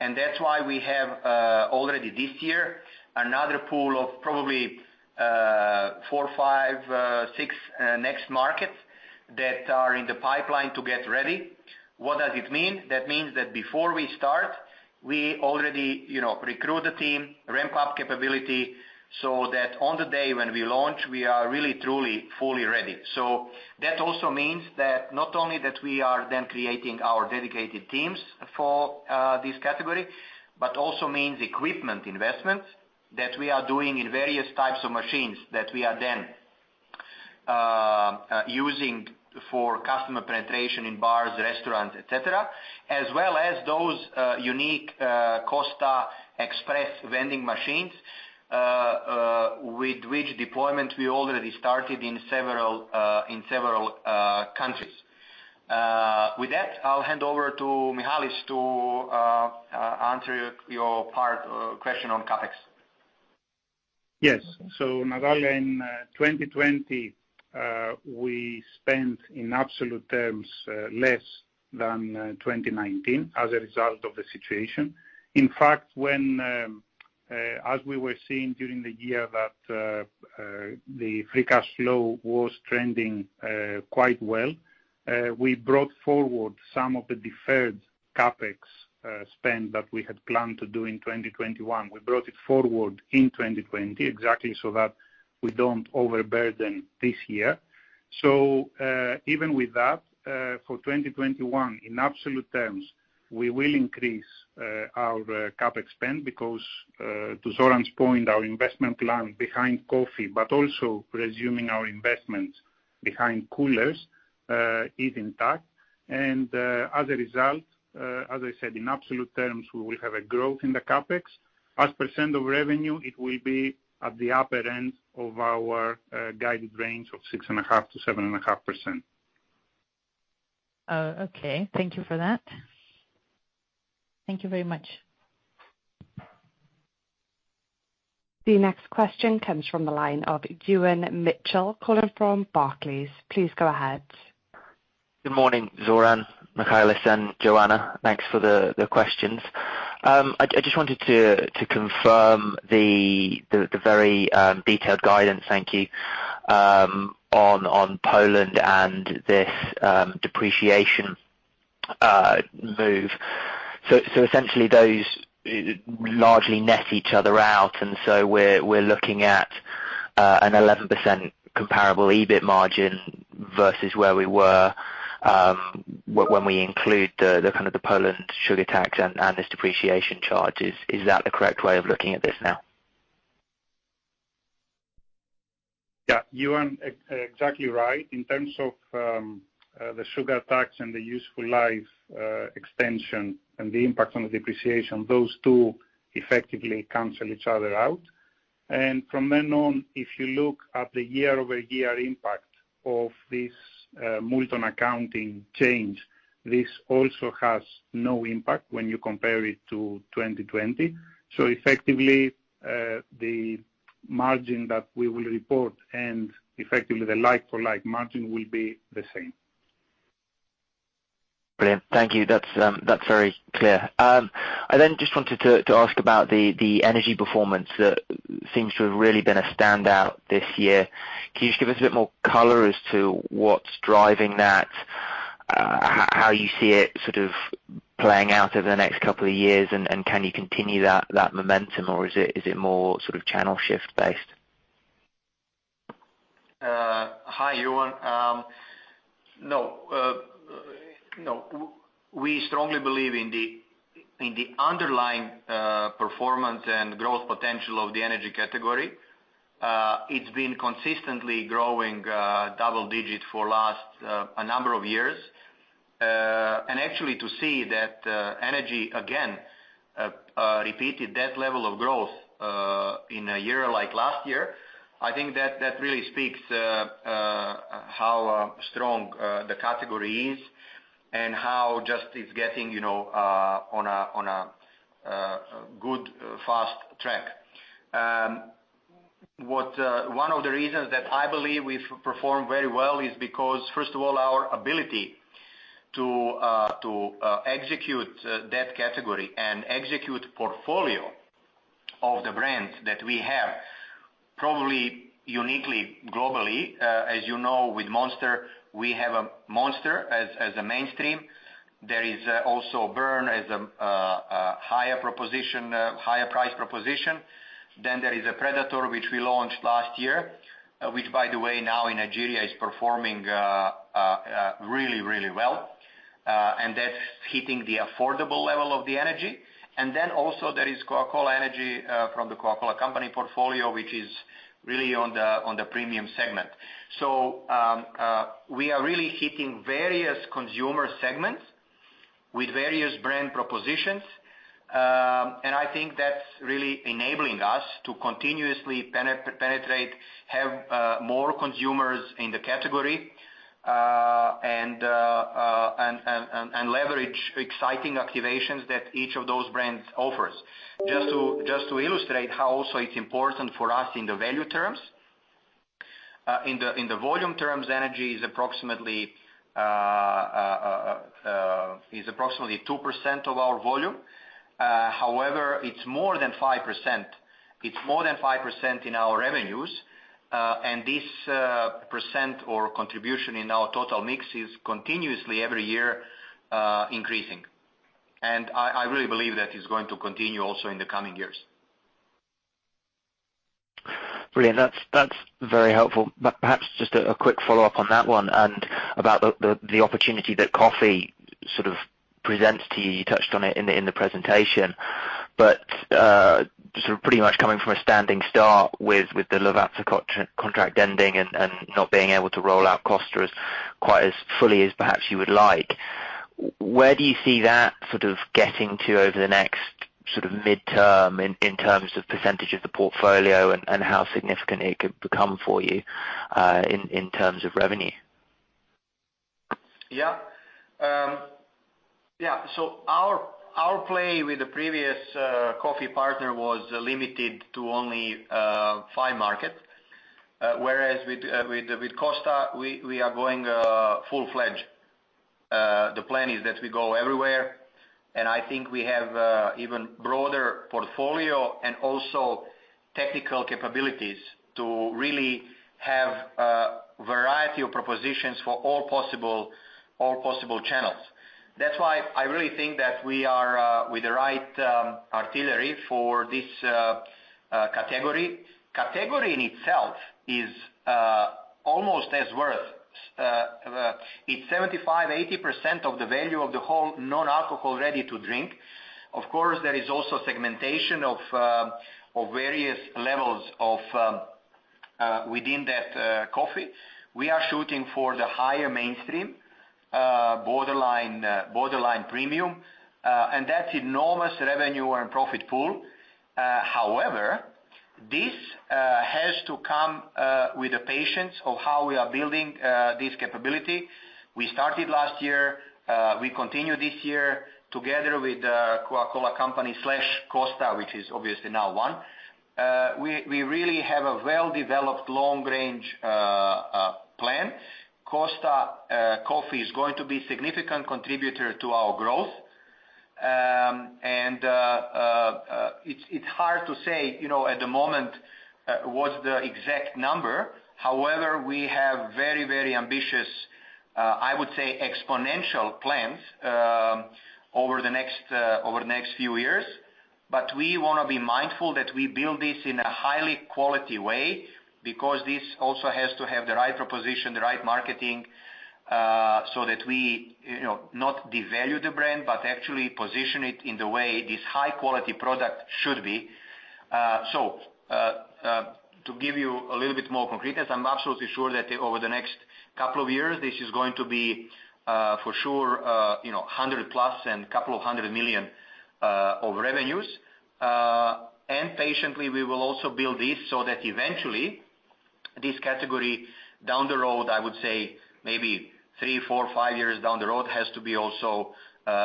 And that's why we have already this year another pool of probably four, five, six next markets that are in the pipeline to get ready. What does it mean? That means that before we start, we already recruit the team, ramp up capability so that on the day when we launch, we are really, truly, fully ready. So that also means that not only that we are then creating our dedicated teams for this category, but also means equipment investments that we are doing in various types of machines that we are then using for customer penetration in bars, restaurants, etc., as well as those unique Costa Express vending machines with which deployment we already started in several countries. With that, I'll hand over to Michalis to answer your question on CapEx. Yes. So Natalia, in 2020, we spent in absolute terms less than 2019 as a result of the situation. In fact, as we were seeing during the year that the free cash flow was trending quite well, we brought forward some of the deferred CapEx spend that we had planned to do in 2021. We brought it forward in 2020 exactly so that we don't overburden this year. So even with that, for 2021, in absolute terms, we will increase our CapEx spend because, to Zoran's point, our investment plan behind coffee, but also resuming our investments behind coolers, is intact. And as a result, as I said, in absolute terms, we will have a growth in the CapEx. As percent of revenue, it will be at the upper end of our guided range of 6.5%-7.5%. Okay. Thank you for that. Thank you very much. The next question comes from the line of Ewan Mitchell calling from Barclays. Please go ahead. Good morning, Zoran, Michalis, and Joanna. Thanks for the questions. I just wanted to confirm the very detailed guidance, thank you, on Poland and this depreciation move. So essentially, those largely net each other out. And so we're looking at an 11% comparable EBIT margin versus where we were when we include the kind of the Poland sugar tax and this depreciation charge. Is that the correct way of looking at this now? Yeah. You are exactly right. In terms of the sugar tax and the useful life extension and the impact on the depreciation, those two effectively cancel each other out. And from then on, if you look at the year-over-year impact of this Multon accounting change, this also has no impact when you compare it to 2020. So effectively, the margin that we will report and effectively the like-for-like margin will be the same. Brilliant. Thank you. That's very clear. I then just wanted to ask about the energy performance that seems to have really been a standout this year. Can you just give us a bit more color as to what's driving that, how you see it sort of playing out over the next couple of years, and can you continue that momentum, or is it more sort of channel shift-based? Hi, Ewan. No. No. We strongly believe in the underlying performance and growth potential of the energy category. It's been consistently growing double-digit for last a number of years. And actually, to see that energy, again, repeated that level of growth in a year like last year, I think that really speaks how strong the category is and how just it's getting on a good, fast track. One of the reasons that I believe we've performed very well is because, first of all, our ability to execute that category and execute portfolio of the brands that we have probably uniquely globally. As you know, with Monster, we have a Monster as a mainstream. There is also Burn as a higher price proposition, then there is a Predator, which we launched last year, which, by the way, now in Nigeria is performing really, really well, and that's hitting the affordable level of the energy, and then also there is Coca-Cola Energy from the Coca-Cola Company portfolio, which is really on the premium segment, so we are really hitting various consumer segments with various brand propositions, and I think that's really enabling us to continuously penetrate, have more consumers in the category, and leverage exciting activations that each of those brands offers. Just to illustrate how also it's important for us in the value terms. In the volume terms, energy is approximately 2% of our volume. However, it's more than 5%. It's more than 5% in our revenues, and this percent or contribution in our total mix is continuously every year increasing, and I really believe that it's going to continue also in the coming years. Brilliant. That's very helpful. Perhaps just a quick follow-up on that one and about the opportunity that coffee sort of presents to you. You touched on it in the presentation, but sort of pretty much coming from a standing start with the Levant contract ending and not being able to roll out Costa as quite as fully as perhaps you would like. Where do you see that sort of getting to over the next sort of midterm in terms of percentage of the portfolio and how significant it could become for you in terms of revenue? Yeah. Yeah. So our play with the previous coffee partner was limited to only five markets. Whereas with Costa, we are going full-fledged. The plan is that we go everywhere. And I think we have even broader portfolio and also technical capabilities to really have a variety of propositions for all possible channels. That's why I really think that we are with the right artillery for this category. The category in itself is almost as worthwhile. It's 75%-80% of the value of the whole non-alcoholic ready-to-drink. Of course, there is also segmentation of various levels within that coffee. We are shooting for the higher mainstream borderline premium. And that's enormous revenue and profit pool. However, this has to come with the patience of how we are building this capability. We started last year. We continue this year together with the Coca-Cola Company/Costa, which is obviously now one. We really have a well-developed long-range plan. Costa Coffee is going to be a significant contributor to our growth, and it's hard to say at the moment what's the exact number. However, we have very, very ambitious, I would say, exponential plans over the next few years, but we want to be mindful that we build this in a highly quality way because this also has to have the right proposition, the right marketing so that we not devalue the brand, but actually position it in the way this high-quality product should be. So to give you a little bit more concreteness, I'm absolutely sure that over the next couple of years, this is going to be for sure 100-plus and a couple of hundred million of revenues. And patiently, we will also build this so that eventually, this category down the road, I would say maybe three, four, five years down the road, has to be also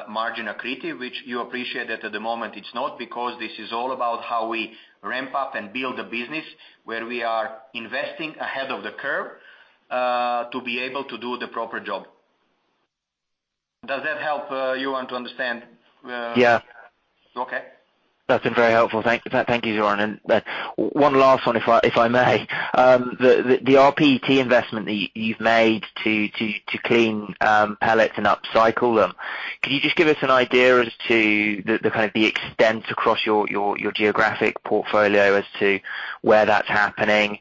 margin accretive, which you appreciate that at the moment it's not because this is all about how we ramp up and build a business where we are investing ahead of the curve to be able to do the proper job. Does that help, Ewan, to understand? Yeah. Okay. That's been very helpful. Thank you, Zoran. And one last one, if I may. The rPET investment that you've made to clean pellets and upcycle them, can you just give us an idea as to the kind of the extent across your geographic portfolio as to where that's happening,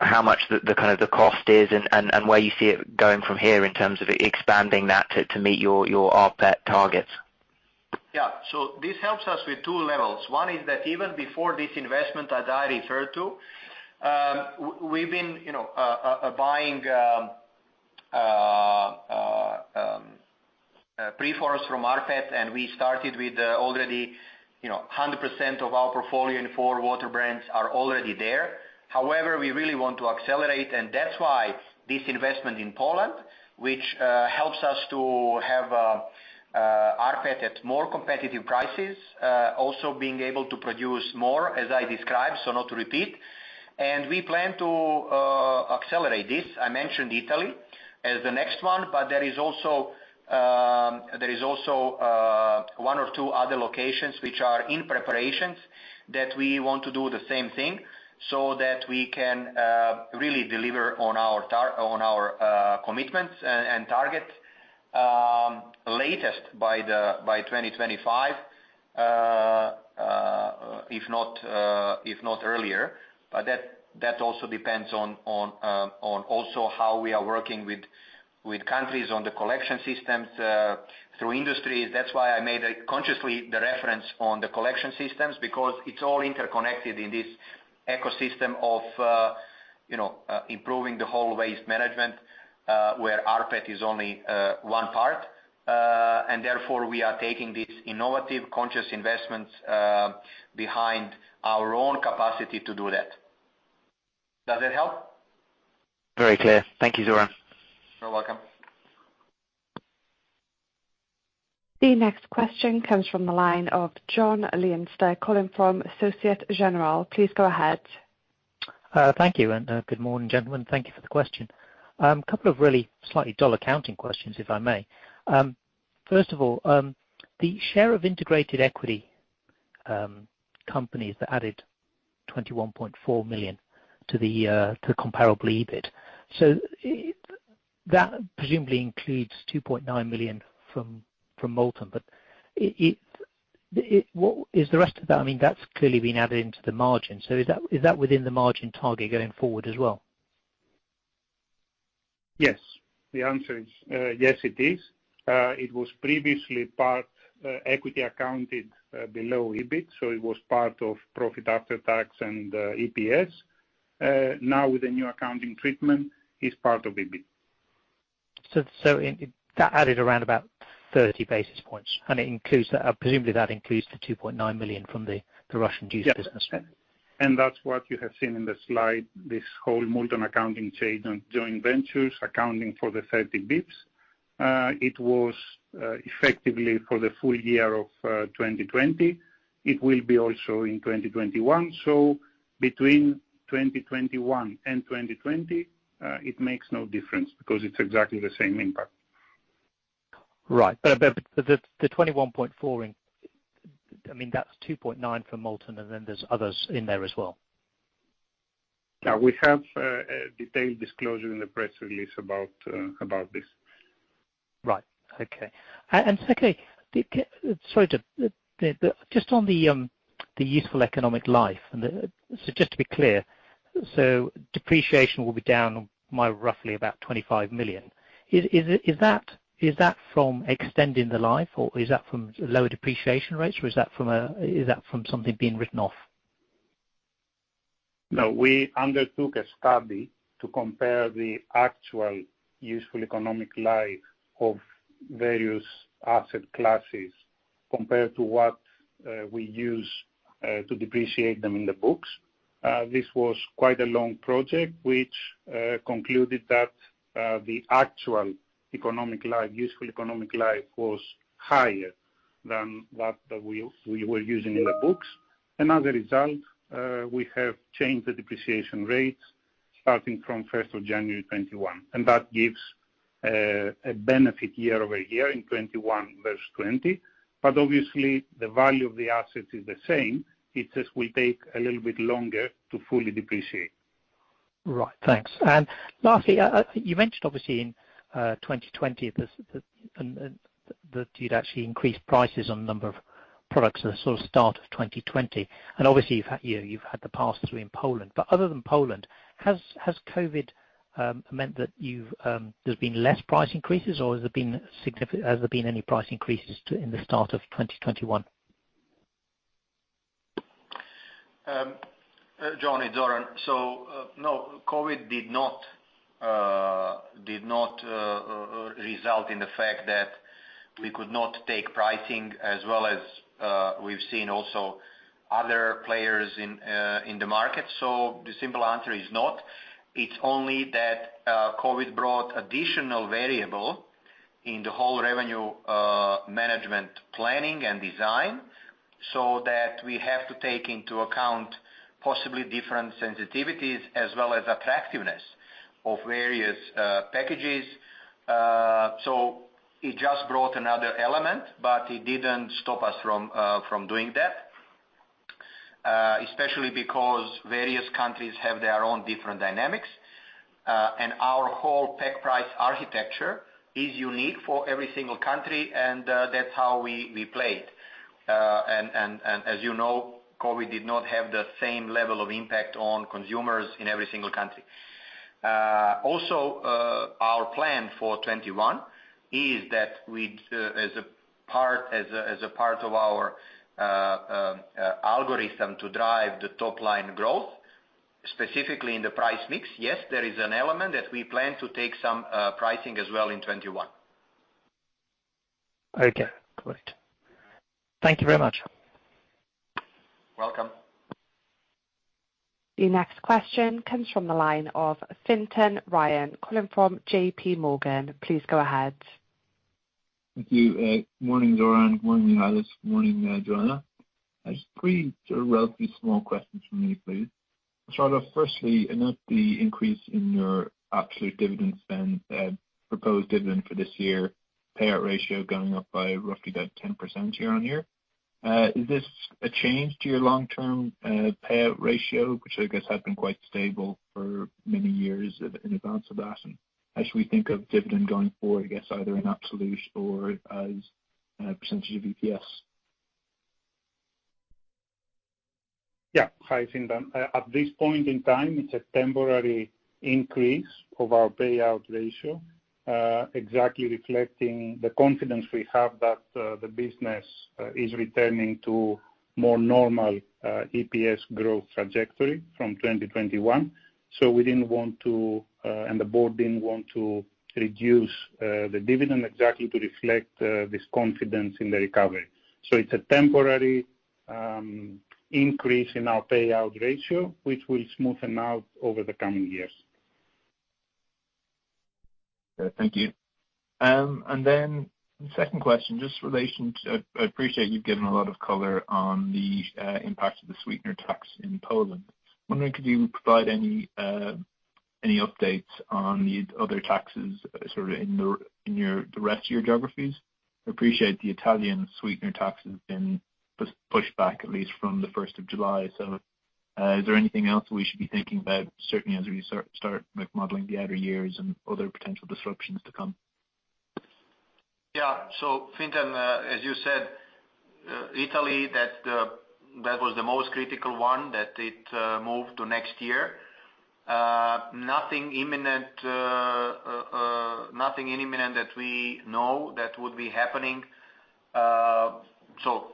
how much the kind of the cost is, and where you see it going from here in terms of expanding that to meet your rPET targets? Yeah. So this helps us with two levels. One is that even before this investment that I referred to, we've been buying preforms from rPET, and we started with already 100% of our portfolio in our water brands are already there. However, we really want to accelerate, and that's why this investment in Poland, which helps us to have rPET at more competitive prices, also being able to produce more, as I described, so not to repeat, and we plan to accelerate this. I mentioned Italy as the next one, but there is also one or two other locations which are in preparations that we want to do the same thing so that we can really deliver on our commitments and targets latest by 2025, if not earlier. But that also depends on also how we are working with countries on the collection systems through industries. That's why I made consciously the reference on the collection systems because it's all interconnected in this ecosystem of improving the whole waste management where rPET is only one part. And therefore, we are taking this innovative, conscious investment behind our own capacity to do that. Does that help? Very clear. Thank you, Zoran. You're welcome. The next question comes from the line of John Leinster, calling from Société Générale. Please go ahead. Thank you. And good morning, gentlemen. Thank you for the question. A couple of really slightly dull accounting questions, if I may. First of all, the share of integrated equity companies that added 21.4 million to the comparable EBIT. So that presumably includes 2.9 million from Multon. But is the rest of that I mean, that's clearly been added into the margin. So is that within the margin target going forward as well? Yes. The answer is yes, it is. It was previously part equity accounted below EBIT, so it was part of profit after tax and EPS. Now, with the new accounting treatment, it's part of EBIT. So that added around about 30 basis points. And presumably, that includes the 2.9 million from the Russian juice business. Yes. And that's what you have seen in the slide, this whole Multon accounting change on joint ventures accounting for the 30 basis points. It was effectively for the full year of 2020. It will be also in 2021. So between 2021 and 2020, it makes no difference because it's exactly the same impact. Right. But the 21.4 million, I mean, that's 2.9 million for Multon, and then there's others in there as well. Yeah. We have a detailed disclosure in the press release about this. Right. Okay. And secondly, sorry to just on the useful economic life. So just to be clear, so depreciation will be down by roughly about 25 million. Is that from extending the life, or is that from lower depreciation rates, or is that from something being written off? No. We undertook a study to compare the actual useful economic life of various asset classes compared to what we use to depreciate them in the books. This was quite a long project, which concluded that the actual useful economic life was higher than that that we were using in the books. And as a result, we have changed the depreciation rates starting from 1st of January 2021. And that gives a benefit year over year in 2021 versus 2020. But obviously, the value of the assets is the same. It just will take a little bit longer to fully depreciate. Right. Thanks. And lastly, you mentioned obviously in 2020 that you'd actually increased prices on the number of products at the sort of start of 2020. And obviously, you've had the pass through in Poland. But other than Poland, has COVID meant that there's been less price increases, or has there been any price increases in the start of 2021? John, it's Zoran. So, no. COVID did not result in the fact that we could not take pricing as well as we've seen also other players in the market. The simple answer is not. It's only that COVID brought additional variable in the whole revenue management planning and design so that we have to take into account possibly different sensitivities as well as attractiveness of various packages. It just brought another element, but it didn't stop us from doing that, especially because various countries have their own different dynamics. Our whole pack price architecture is unique for every single country, and that's how we played. As you know, COVID did not have the same level of impact on consumers in every single country. Also, our plan for 2021 is that as a part of our algorithm to drive the top-line growth, specifically in the price mix, yes, there is an element that we plan to take some pricing as well in 2021. Okay. Great. Thank you very much. Welcome. The next question comes from the line of Fintan Ryan, calling from J.P. Morgan. Please go ahead. Thank you. Good morning, Zoran. Good morning, Michalis. Good morning, Joanna. Just three sort of relatively small questions for me, please. I'll start off firstly. I note the increase in your absolute dividend spend, proposed dividend for this year, payout ratio going up by roughly about 10% year on year. Is this a change to your long-term payout ratio, which I guess had been quite stable for many years in advance of that? And as we think of dividend going forward, I guess either in absolute or as percentage of EPS? Yeah. Hi, Fintan. At this point in time, it's a temporary increase of our payout ratio, exactly reflecting the confidence we have that the business is returning to more normal EPS growth trajectory from 2021. So we didn't want to, and the board didn't want to reduce the dividend exactly to reflect this confidence in the recovery. So it's a temporary increase in our payout ratio, which will smoothen out over the coming years. Thank you. And then the second question, just in relation to. I appreciate you've given a lot of color on the impact of the sweetener tax in Poland. I'm wondering if you could provide any updates on the other taxes sort of in the rest of your geographies. I appreciate the Italian sweetener tax has been pushed back at least from the 1st of July. So is there anything else we should be thinking about, certainly as we start modeling the outer years and other potential disruptions to come? Yeah. So Fintan, as you said, Italy, that was the most critical one that it moved to next year. Nothing imminent that we know that would be happening. So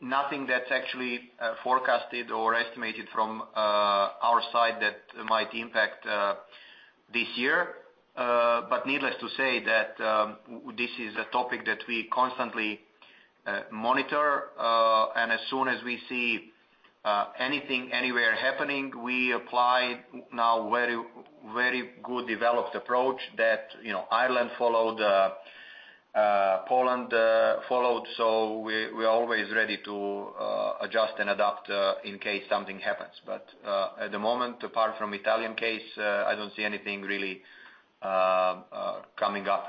nothing that's actually forecasted or estimated from our side that might impact this year. But needless to say that this is a topic that we constantly monitor. And as soon as we see anything anywhere happening, we apply now very good developed approach that Ireland followed, Poland followed. So we're always ready to adjust and adapt in case something happens. But at the moment, apart from the Italian case, I don't see anything really coming up.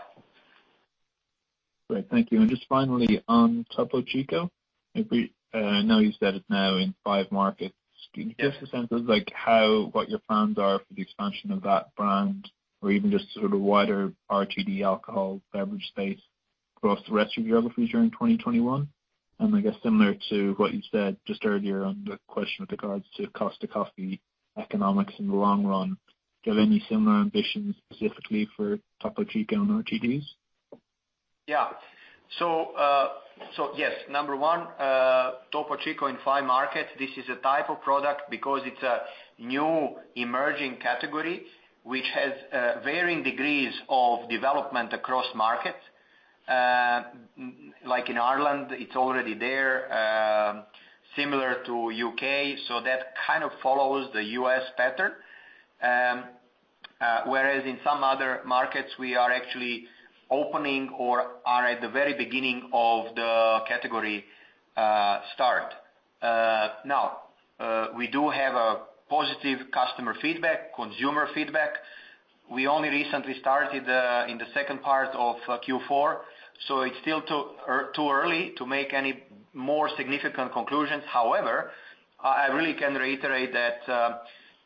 Great. Thank you. And just finally, on Topo Chico. I know you said it now in five markets. Can you give us a sense of what your plans are for the expansion of that brand or even just sort of wider RTD alcohol beverage space across the rest of your geographies during 2021? And I guess similar to what you said just earlier on the question with regards to Costa Coffee economics in the long run, do you have any similar ambitions specifically for Topo Chico and RTDs? Yeah. So yes. Number one, Topo Chico in five markets. This is a type of product because it's a new emerging category which has varying degrees of development across markets. Like in Ireland, it's already there, similar to the U.K. So that kind of follows the U.S. pattern. Whereas in some other markets, we are actually opening or are at the very beginning of the category start. Now, we do have positive customer feedback, consumer feedback. We only recently started in the second part of Q4, so it's still too early to make any more significant conclusions. However, I really can reiterate that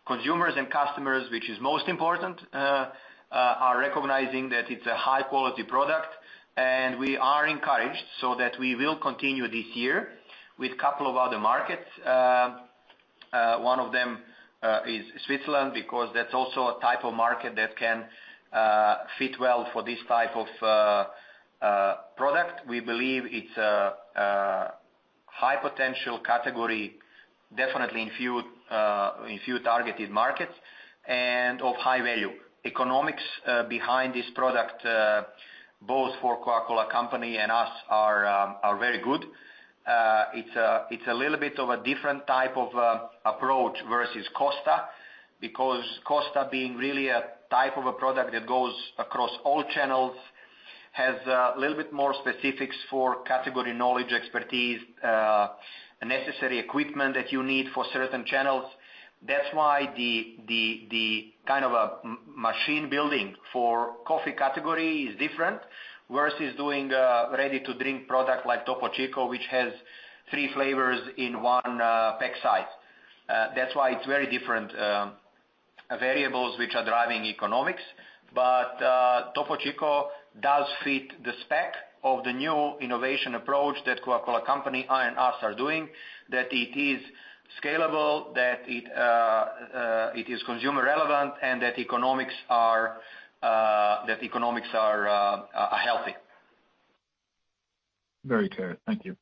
consumers and customers, which is most important, are recognizing that it's a high-quality product, and we are encouraged so that we will continue this year with a couple of other markets. One of them is Switzerland because that's also a type of market that can fit well for this type of product. We believe it's a high-potential category, definitely in few targeted markets, and of high value. Economics behind this product, both for Coca-Cola Company and us, are very good. It's a little bit of a different type of approach versus Costa because Costa, being really a type of a product that goes across all channels, has a little bit more specifics for category knowledge, expertise, necessary equipment that you need for certain channels. That's why the kind of machine building for coffee category is different versus doing ready-to-drink product like Topo Chico, which has three flavors in one pack size. That's why it's very different variables which are driving economics. But Topo Chico does fit the spec of the new innovation approach that Coca-Cola Company and us are doing, that it is scalable, that it is consumer relevant, and that economics are healthy. Very clear. Thank you.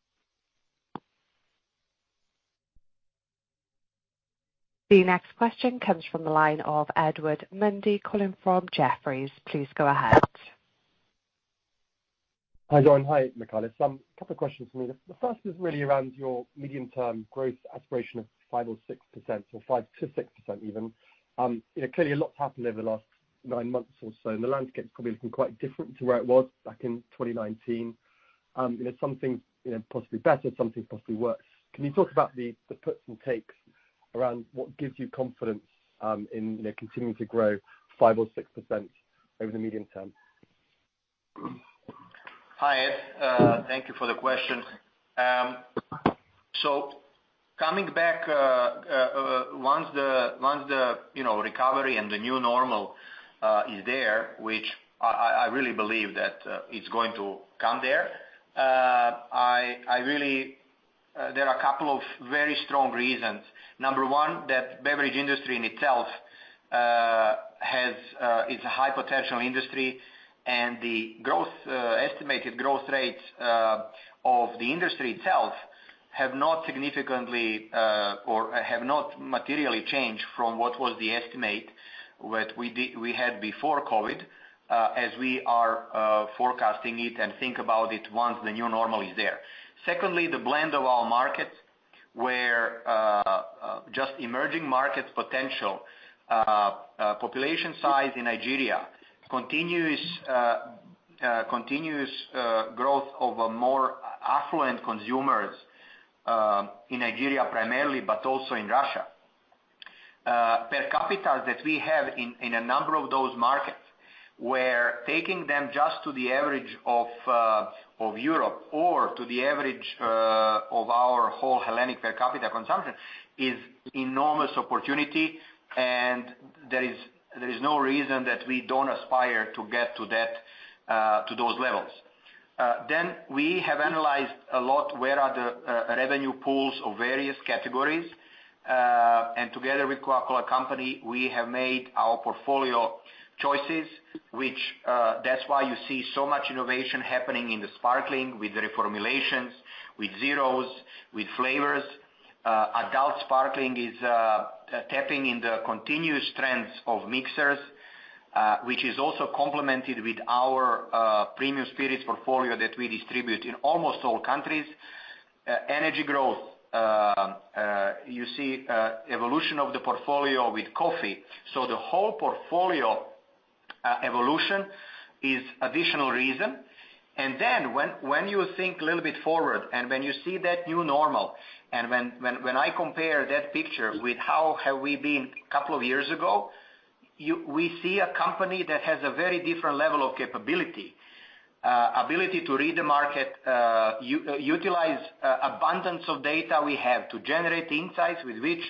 The next question comes from the line of Edward Mundy, calling from Jefferies. Please go ahead. Hi, Zoran. Hi, Michalis. A couple of questions for me. The first is really around your medium-term growth aspiration of 5% or 6% or 5%-6% even. Clearly, a lot's happened over the last nine months or so, and the landscape's probably looking quite different to where it was back in 2019. Some things possibly better, some things possibly worse. Can you talk about the puts and takes around what gives you confidence in continuing to grow 5% or 6% over the medium term? Hi, Ed. Thank you for the question. So coming back, once the recovery and the new normal is there, which I really believe that it's going to come there, there are a couple of very strong reasons. Number one, that the beverage industry in itself is a high-potential industry, and the estimated growth rates of the industry itself have not significantly or have not materially changed from what was the estimate that we had before COVID as we are forecasting it and think about it once the new normal is there. Secondly, the blend of our markets where just emerging markets' potential, population size in Nigeria, continuous growth of more affluent consumers in Nigeria primarily, but also in Russia. Per capita that we have in a number of those markets where taking them just to the average of Europe or to the average of our whole Hellenic per capita consumption is enormous opportunity, and there is no reason that we don't aspire to get to those levels. Then we have analyzed a lot where are the revenue pools of various categories. Together with Coca-Cola Company, we have made our portfolio choices, which that's why you see so much innovation happening in the sparkling with the reformulations, with zeros, with flavors. Adult sparkling is tapping in the continuous trends of mixers, which is also complemented with our premium spirits portfolio that we distribute in almost all countries. Energy growth, you see evolution of the portfolio with coffee. So the whole portfolio evolution is an additional reason. And then when you think a little bit forward and when you see that new normal, and when I compare that picture with how have we been a couple of years ago, we see a company that has a very different level of capability, ability to read the market, utilize abundance of data we have to generate insights with which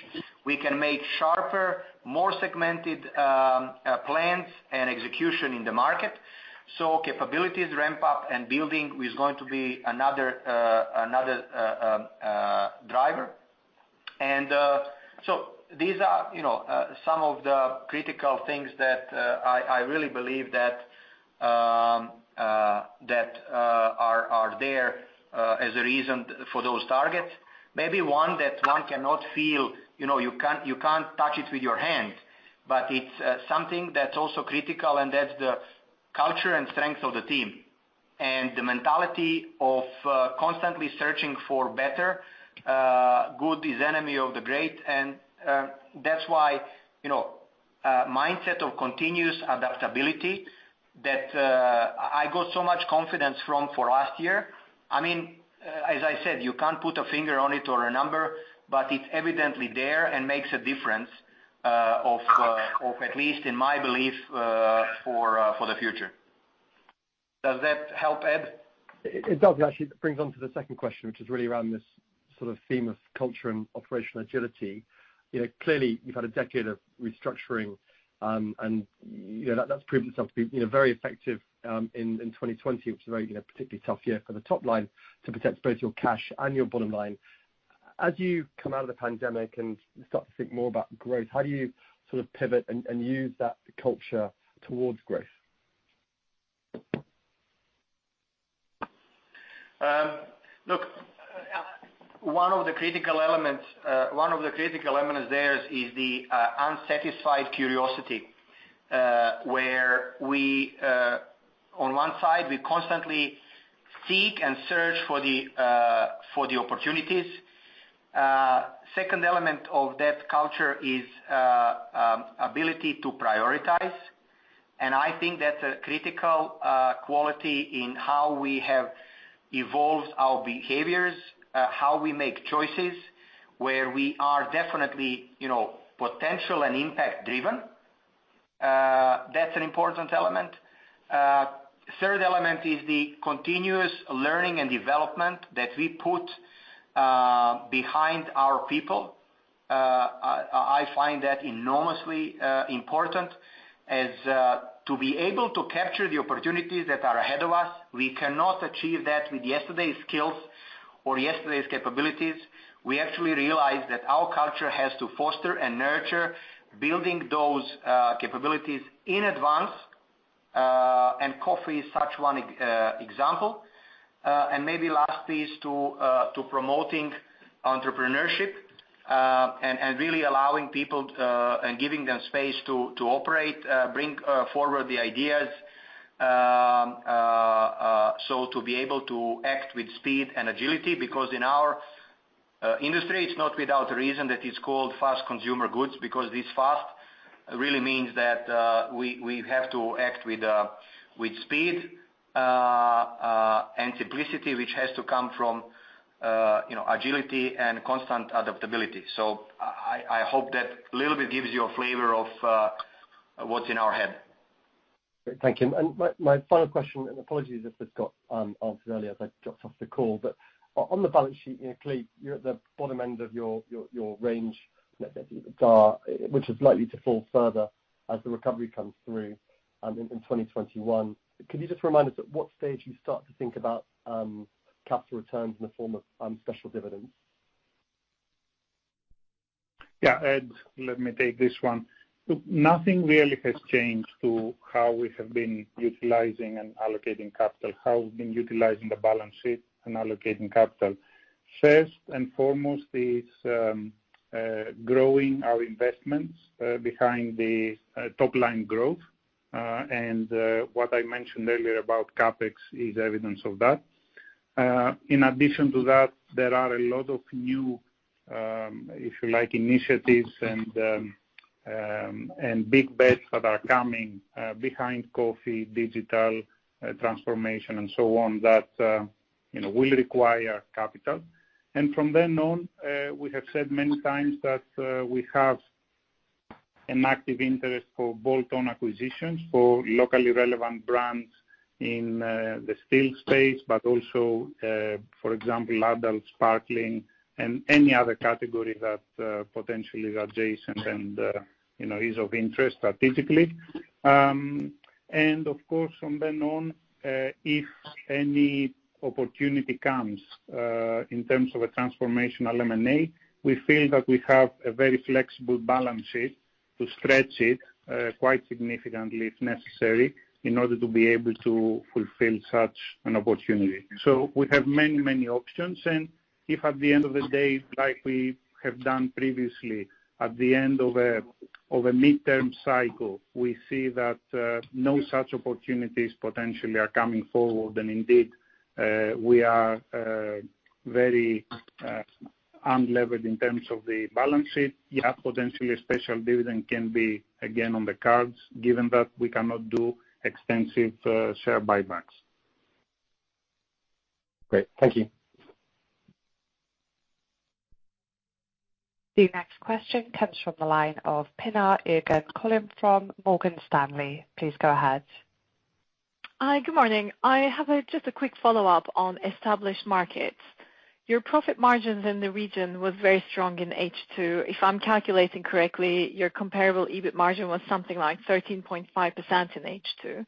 we can make sharper, more segmented plans and execution in the market. So capabilities ramp up, and building is going to be another driver. And so these are some of the critical things that I really believe that are there as a reason for those targets. Maybe one that one cannot feel, you can't touch it with your hand, but it's something that's also critical, and that's the culture and strength of the team and the mentality of constantly searching for better. Good is enemy of the great. And that's why mindset of continuous adaptability that I got so much confidence from for last year. I mean, as I said, you can't put a finger on it or a number, but it's evidently there and makes a difference of, at least in my belief, for the future. Does that help, Ed? It does, actually. It brings on to the second question, which is really around this sort of theme of culture and operational agility. Clearly, you've had a decade of restructuring, and that's proven itself to be very effective in 2020, which is a particularly tough year for the top line to protect both your cash and your bottom line. As you come out of the pandemic and start to think more about growth, how do you sort of pivot and use that culture towards growth? Look, one of the critical elements there is the insatiable curiosity where we, on one side, we constantly seek and search for the opportunities. Second element of that culture is ability to prioritize. And I think that's a critical quality in how we have evolved our behaviors, how we make choices where we are definitely potential and impact-driven. That's an important element. Third element is the continuous learning and development that we put behind our people. I find that enormously important as to be able to capture the opportunities that are ahead of us. We cannot achieve that with yesterday's skills or yesterday's capabilities. We actually realize that our culture has to foster and nurture building those capabilities in advance, and coffee is such one example, and maybe last piece to promoting entrepreneurship and really allowing people and giving them space to operate, bring forward the ideas so to be able to act with speed and agility because in our industry, it's not without a reason that it's called fast consumer goods because this fast really means that we have to act with speed and simplicity, which has to come from agility and constant adaptability, so I hope that a little bit gives you a flavor of what's in our head. Thank you. And my final question, and apologies if I've got answers earlier as I dropped off the call, but on the balance sheet, clearly, you're at the bottom end of your range, which is likely to fall further as the recovery comes through in 2021. Could you just remind us at what stage you start to think about capital returns in the form of special dividends? Yeah, Ed, let me take this one. Look, nothing really has changed to how we have been utilizing and allocating capital, how we've been utilizing the balance sheet and allocating capital. First and foremost is growing our investments behind the top line growth. And what I mentioned earlier about CapEx is evidence of that. In addition to that, there are a lot of new, if you like, initiatives and big bets that are coming behind coffee, digital transformation, and so on that will require capital, and from then on, we have said many times that we have an active interest for bolt-on acquisitions for locally relevant brands in the still space, but also, for example, adult sparkling and any other category that potentially is adjacent and is of interest strategically, and of course, from then on, if any opportunity comes in terms of a transformational M&A, we feel that we have a very flexible balance sheet to stretch it quite significantly if necessary in order to be able to fulfill such an opportunity, so we have many, many options. And if at the end of the day, like we have done previously, at the end of a midterm cycle, we see that no such opportunities potentially are coming forward, and indeed, we are very unlevered in terms of the balance sheet, yeah, potentially a special dividend can be again on the cards given that we cannot do extensive share buybacks. Great. Thank you. The next question comes from the line of Pinar Ergun from Morgan Stanley. Please go ahead. Hi, good morning. I have just a quick follow-up on established markets. Your profit margins in the region were very strong in H2. If I'm calculating correctly, your comparable EBIT margin was something like 13.5% in H2.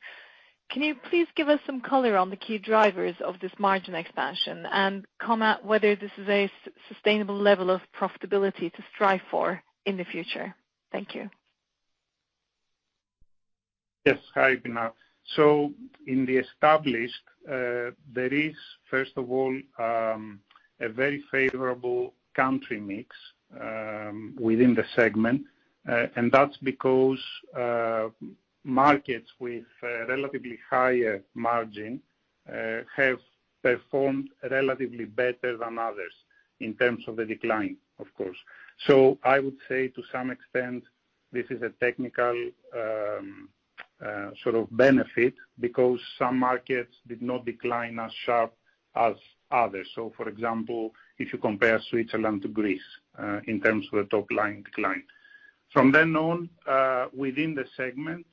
Can you please give us some color on the key drivers of this margin expansion and comment whether this is a sustainable level of profitability to strive for in the future? Thank you. Yes. Hi, Pinar. So in the established, there is, first of all, a very favorable country mix within the segment. And that's because markets with relatively higher margin have performed relatively better than others in terms of the decline, of course. So I would say to some extent, this is a technical sort of benefit because some markets did not decline as sharp as others. So, for example, if you compare Switzerland to Greece in terms of the top line decline. From then on, within the segment,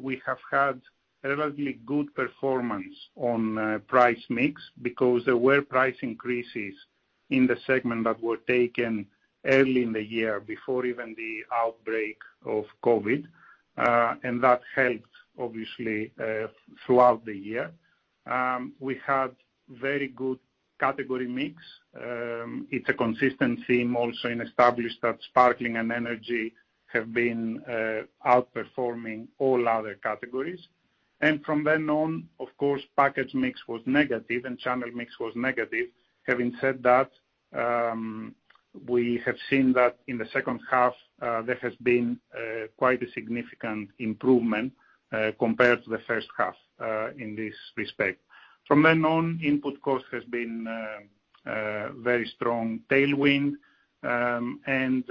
we have had a relatively good performance on price mix because there were price increases in the segment that were taken early in the year before even the outbreak of COVID. And that helped, obviously, throughout the year. We had very good category mix. It's a consistent theme also in established that sparkling and energy have been outperforming all other categories. And from then on, of course, package mix was negative and channel mix was negative. Having said that, we have seen that in the second half, there has been quite a significant improvement compared to the first half in this respect. From then on, input cost has been very strong tailwind. And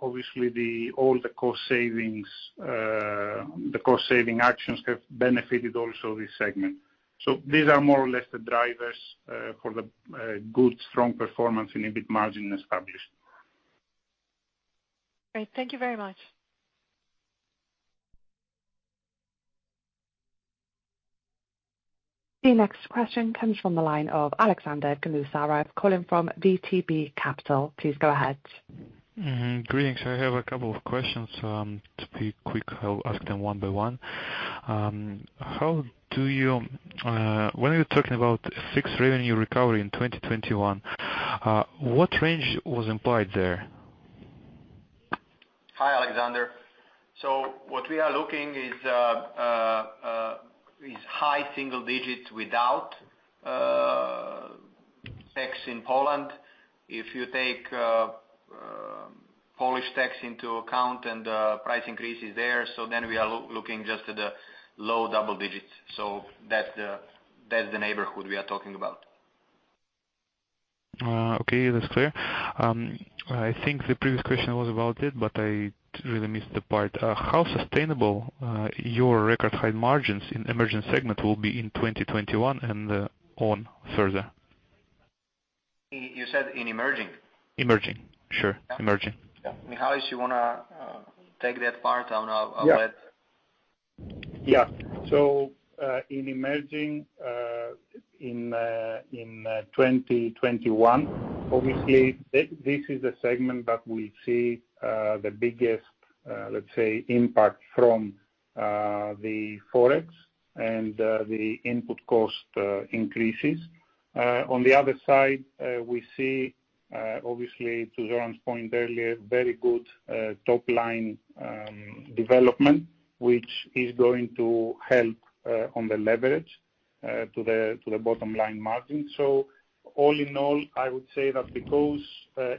obviously, all the cost savings, the cost saving actions have benefited also this segment. So these are more or less the drivers for the good, strong performance in EBIT margin established. Great. Thank you very much. The next question comes from the line of Alexander Gnezdilov from VTB Capital. Please go ahead. Greetings. I have a couple of questions. To be quick, I'll ask them one by one. How do you, when you're talking about fixed revenue recovery in 2021, what range was implied there? Hi, Alexander. So what we are looking is high single digit without tax in Poland. If you take Polish tax into account and price increases there, so then we are looking just at the low double digits. So that's the neighborhood we are talking about. Okay. That's clear. I think the previous question was about it, but I really missed the part. How sustainable your record-high margins in emerging segment will be in 2021 and on further? You said in emerging? Emerging. Sure. Emerging. Yeah. Michalis, you want to take that part? I'll let Yeah. So in emerging in 2021, obviously, this is the segment that we see the biggest, let's say, impact from the forex and the input cost increases. On the other side, we see, obviously, to Zoran's point earlier, very good top line development, which is going to help on the leverage to the bottom line margin. So all in all, I would say that because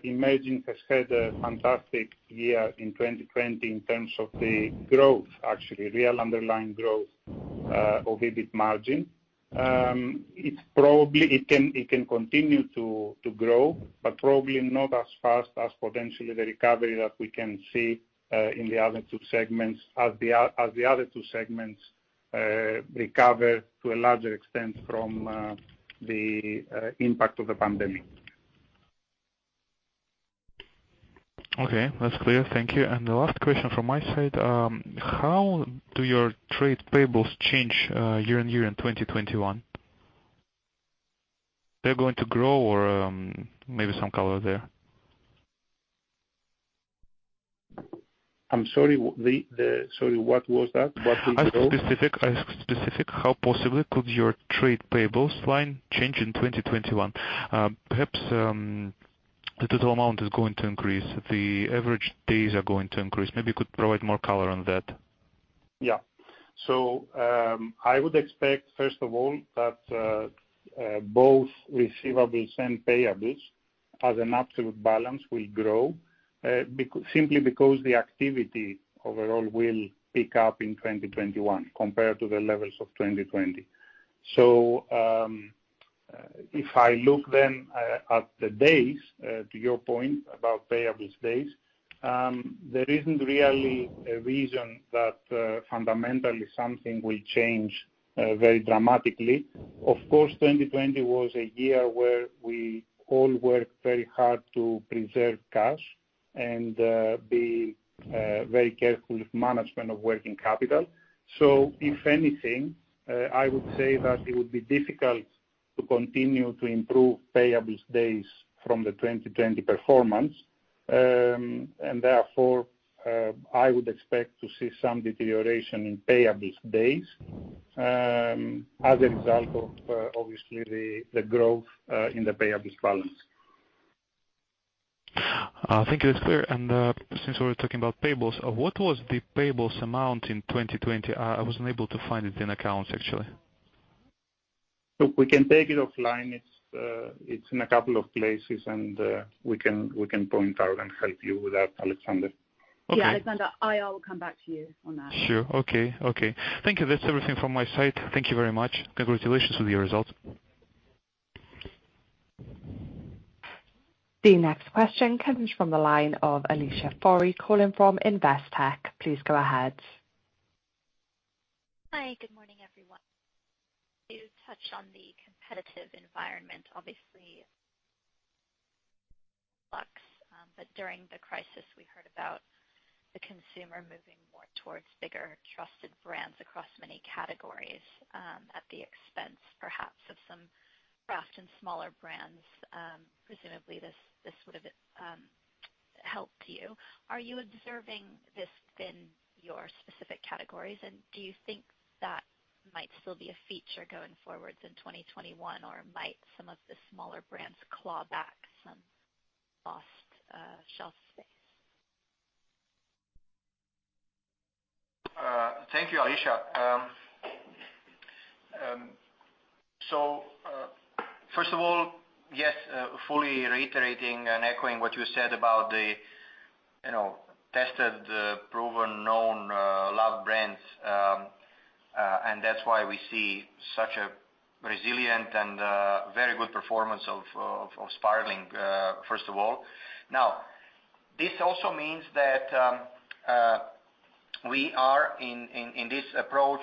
emerging has had a fantastic year in 2020 in terms of the growth, actually, real underlying growth of EBIT margin, it can continue to grow, but probably not as fast as potentially the recovery that we can see in the other two segments as the other two segments recover to a larger extent from the impact of the pandemic. Okay. That's clear. Thank you. And the last question from my side, how do your trade payables change year on year in 2021? They're going to grow or maybe some color there? I'm sorry. Sorry, what was that? What did you ask? Specific? Specific? How possibly could your trade payables line change in 2021? Perhaps the total amount is going to increase. The average days are going to increase. Maybe you could provide more color on that. Yeah. So I would expect, first of all, that both receivables and payables as an absolute balance will grow simply because the activity overall will pick up in 2021 compared to the levels of 2020. So if I look then at the days, to your point about payables days, there isn't really a reason that fundamentally something will change very dramatically. Of course, 2020 was a year where we all worked very hard to preserve cash and be very careful with management of working capital. So if anything, I would say that it would be difficult to continue to improve payables days from the 2020 performance. And therefore, I would expect to see some deterioration in payables days as a result of, obviously, the growth in the payables balance. Thank you. That's clear. And since we were talking about payables, what was the payables amount in 2020? I wasn't able to find it in accounts, actually. Look, we can take it offline. It's in a couple of places, and we can point out and help you with that, Alexander. Okay. Yeah, Alexander, I will come back to you on that. Sure. Okay. Okay. Thank you. That's everything from my side. Thank you very much. Congratulations with your results. The next question comes from the line of Alicia Forry calling from Investec. Please go ahead. Hi. Good morning, everyone. You touched on the competitive environment, obviously. But during the crisis, we heard about the consumer moving more towards bigger trusted brands across many categories at the expense, perhaps, of some craft and smaller brands. Presumably, this would have helped you. Are you observing this in your specific categories? And do you think that might still be a feature going forwards in 2021, or might some of the smaller brands claw back some lost shelf space? Thank you, Alicia. So first of all, yes, fully reiterating and echoing what you said about the tested, proven, known love brands. And that's why we see such a resilient and very good performance of sparkling, first of all. Now, this also means that we are in this approach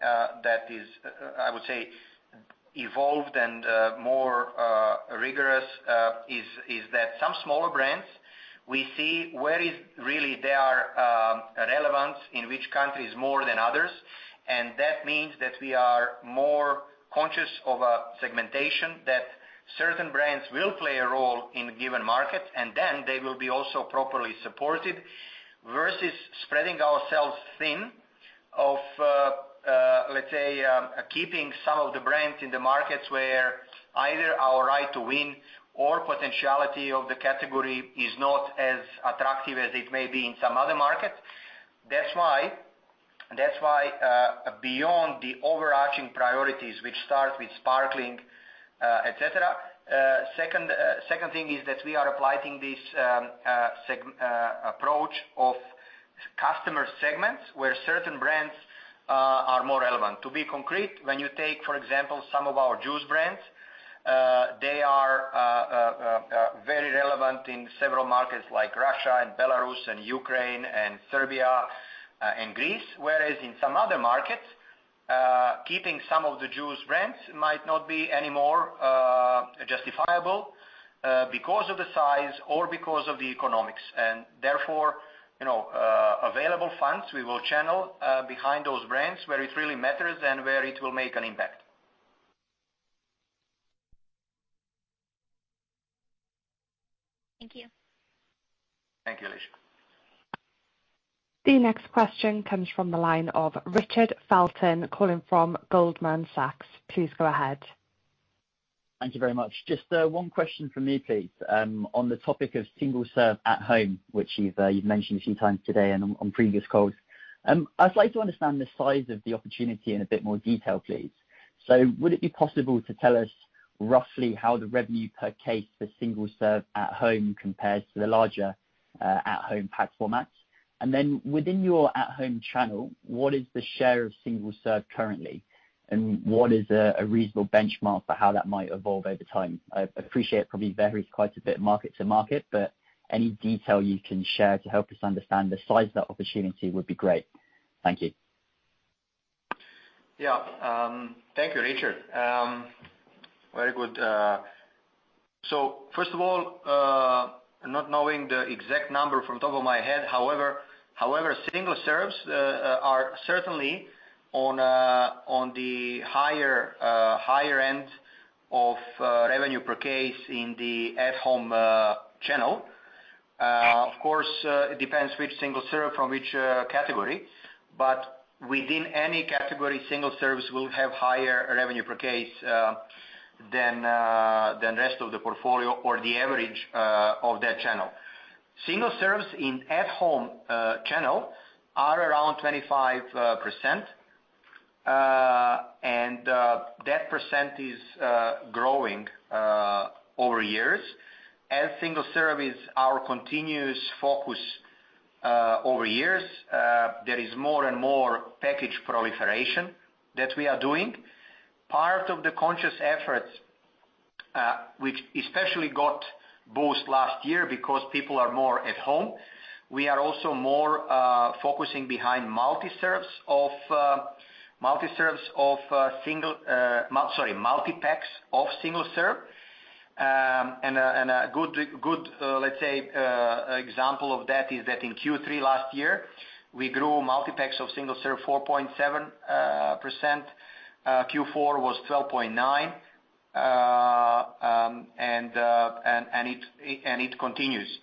that is, I would say, evolved and more rigorous. Is that some smaller brands, we see where really they are relevant, in which countries more than others. That means that we are more conscious of a segmentation that certain brands will play a role in given markets, and then they will be also properly supported versus spreading ourselves thin of, let's say, keeping some of the brands in the markets where either our right to win or potentiality of the category is not as attractive as it may be in some other market. That's why beyond the overarching priorities, which start with sparkling, etc., second thing is that we are applying this approach of customer segments where certain brands are more relevant. To be concrete, when you take, for example, some of our juice brands, they are very relevant in several markets like Russia and Belarus and Ukraine and Serbia and Greece, whereas in some other markets, keeping some of the juice brands might not be any more justifiable because of the size or because of the economics, and therefore available funds, we will channel behind those brands where it really matters and where it will make an impact. Thank you. Thank you, Alicia. The next question comes from the line of Richard Felton calling from Goldman Sachs. Please go ahead. Thank you very much. Just one question for me, please. On the topic of single serve at home, which you've mentioned a few times today and on previous calls, I'd like to understand the size of the opportunity in a bit more detail, please. So would it be possible to tell us roughly how the revenue per case for single serve at home compares to the larger at-home pack formats? And then within your at-home channel, what is the share of single serve currently? And what is a reasonable benchmark for how that might evolve over time? I appreciate it probably varies quite a bit market to market, but any detail you can share to help us understand the size of that opportunity would be great. Thank you. Yeah. Thank you, Richard. Very good. So first of all, not knowing the exact number from the top of my head, however, single serves are certainly on the higher end of revenue per case in the at-home channel. Of course, it depends which single serve from which category. But within any category, single serves will have higher revenue per case than the rest of the portfolio or the average of that channel. Single serves in at-home channel are around 25%. And that percent is growing over years. As single serve is our continuous focus over years, there is more and more package proliferation that we are doing. Part of the conscious efforts, which especially got boosted last year because people are more at home, we are also more focusing behind multi-packs of single serve. And a good, let's say, example of that is that in Q3 last year, we grew multi-packs of single serve 4.7%. Q4 was 12.9%. And it continues.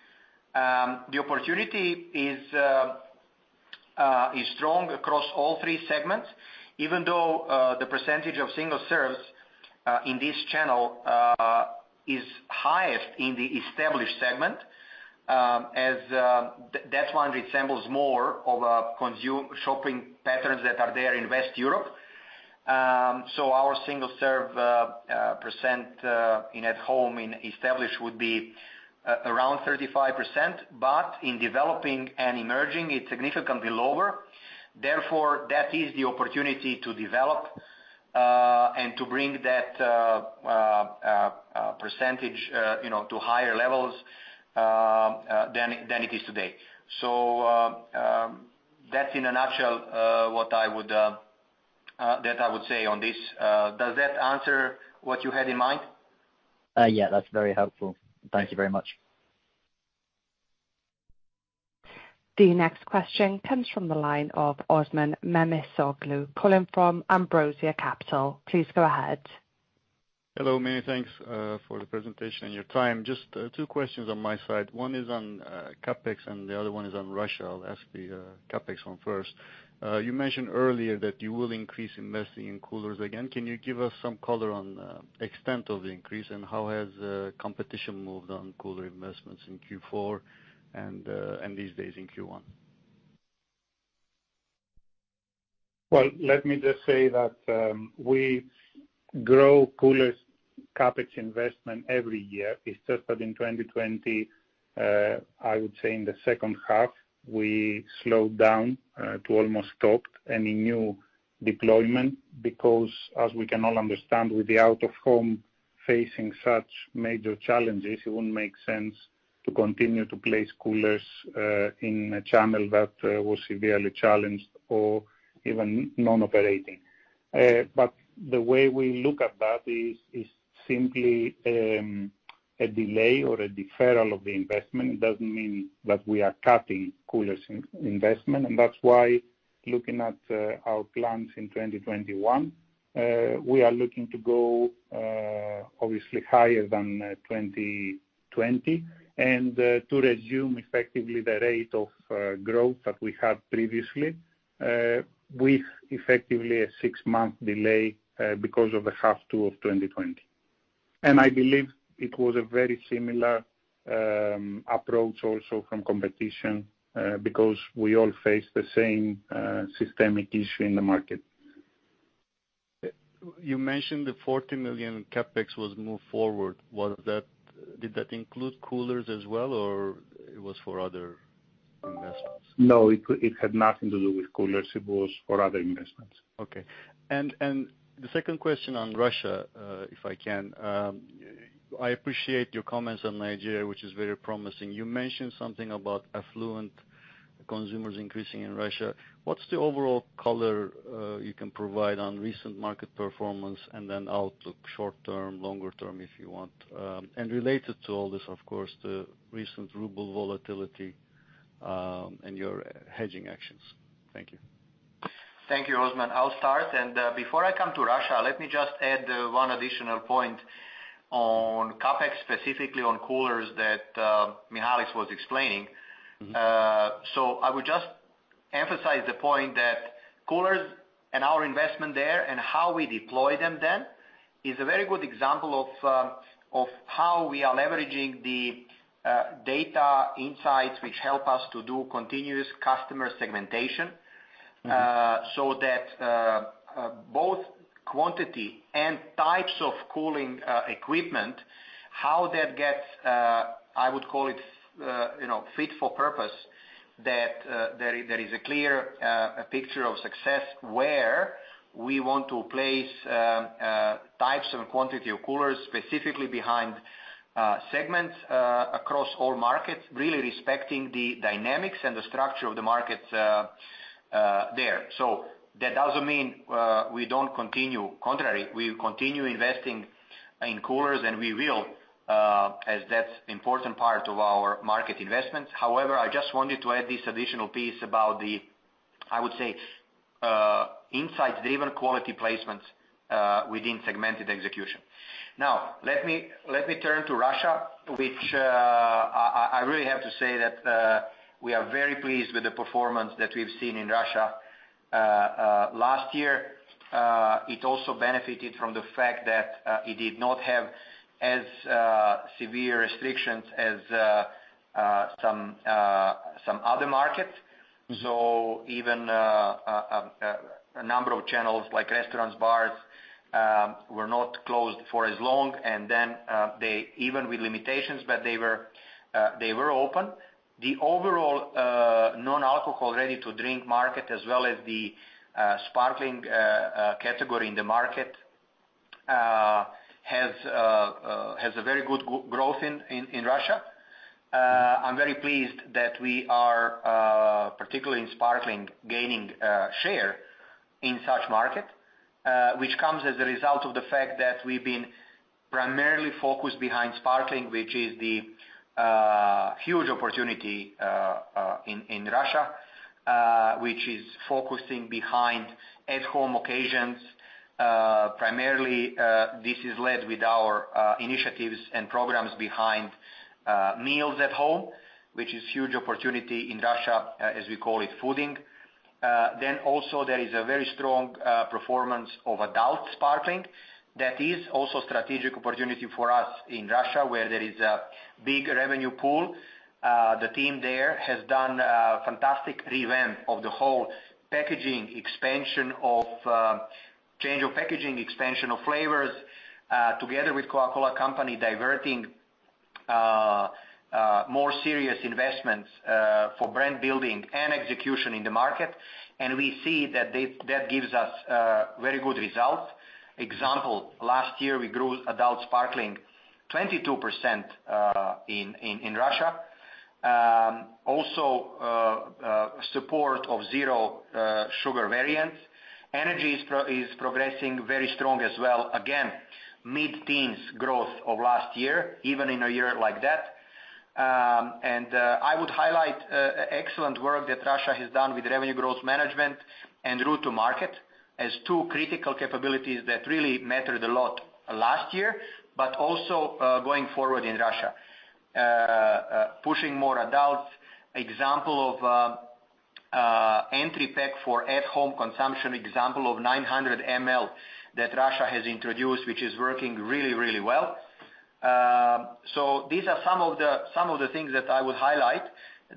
The opportunity is strong across all three segments, even though the percentage of single serves in this channel is highest in the established segment, as that one resembles more of shopping patterns that are there in West Europe. So our single serve percent in at-home in established would be around 35%. But in developing and emerging, it's significantly lower. Therefore, that is the opportunity to develop and to bring that percentage to higher levels than it is today. So that's in a nutshell what I would say on this. Does that answer what you had in mind? Yeah. That's very helpful. Thank you very much. The next question comes from the line of Osman Memisoglu calling from Ambrosia Capital. Please go ahead. Hello, many thanks for the presentation and your time. Just two questions on my side. One is on CapEx, and the other one is on Russia. I'll ask the CapEx one first. You mentioned earlier that you will increase investing in coolers again. Can you give us some color on the extent of the increase and how has competition moved on cooler investments in Q4 and these days in Q1? Well, let me just say that we grow cooler CapEx investment every year. It's just that in 2020, I would say in the second half, we slowed down to almost stopped any new deployment because, as we can all understand, with the out-of-home facing such major challenges, it wouldn't make sense to continue to place coolers in a channel that was severely challenged or even non-operating. But the way we look at that is simply a delay or a deferral of the investment. It doesn't mean that we are cutting coolers investment. That's why looking at our plans in 2021, we are looking to go obviously higher than 2020 and to resume effectively the rate of growth that we had previously with effectively a six-month delay because of the H2 of 2020. I believe it was a very similar approach also from competition because we all faced the same systemic issue in the market. You mentioned the 40 million CapEx was moved forward. Did that include coolers as well, or it was for other investments? No, it had nothing to do with coolers. It was for other investments. Okay. The second question on Russia, if I can. I appreciate your comments on Nigeria, which is very promising. You mentioned something about affluent consumers increasing in Russia. What's the overall color you can provide on recent market performance and then outlook short-term, longer-term if you want? And related to all this, of course, the recent ruble volatility and your hedging actions. Thank you. Thank you, Osman. I'll start. And before I come to Russia, let me just add one additional point on CapEx, specifically on coolers that Michalis was explaining. So I would just emphasize the point that coolers and our investment there and how we deploy them then is a very good example of how we are leveraging the data insights which help us to do continuous customer segmentation so that both quantity and types of cooling equipment, how that gets, I would call it, fit for purpose, that there is a clear picture of success where we want to place types and quantity of coolers specifically behind segments across all markets, really respecting the dynamics and the structure of the market there. So that doesn't mean we don't continue. Contrary, we continue investing in coolers, and we will, as that's an important part of our market investments. However, I just wanted to add this additional piece about the, I would say, insights-driven quality placements within segmented execution. Now, let me turn to Russia, which I really have to say that we are very pleased with the performance that we've seen in Russia last year. It also benefited from the fact that it did not have as severe restrictions as some other markets. So even a number of channels like restaurants, bars were not closed for as long, and then they even with limitations, but they were open. The overall non-alcoholic ready-to-drink market, as well as the sparkling category in the market, has a very good growth in Russia. I'm very pleased that we are, particularly in sparkling, gaining share in such market, which comes as a result of the fact that we've been primarily focused behind sparkling, which is the huge opportunity in Russia, which is focusing behind at-home occasions. Primarily, this is led with our initiatives and programs behind meals at home, which is a huge opportunity in Russia, as we call it, fooding. Then also, there is a very strong performance of adult sparkling. That is also a strategic opportunity for us in Russia, where there is a big revenue pool. The team there has done a fantastic revamp of the whole packaging expansion of change of packaging expansion of flavors together with Coca-Cola Company directing more serious investments for brand building and execution in the market. And we see that that gives us very good results. Example, last year, we grew adult sparkling 22% in Russia. Also, support of zero sugar variants. Energy is progressing very strong as well. Again, mid-teens growth of last year, even in a year like that. And I would highlight excellent work that Russia has done with revenue growth management and route to market as two critical capabilities that really mattered a lot last year, but also going forward in Russia, pushing more adults. Example of entry pack for at-home consumption, example of 900 ml that Russia has introduced, which is working really, really well. So these are some of the things that I would highlight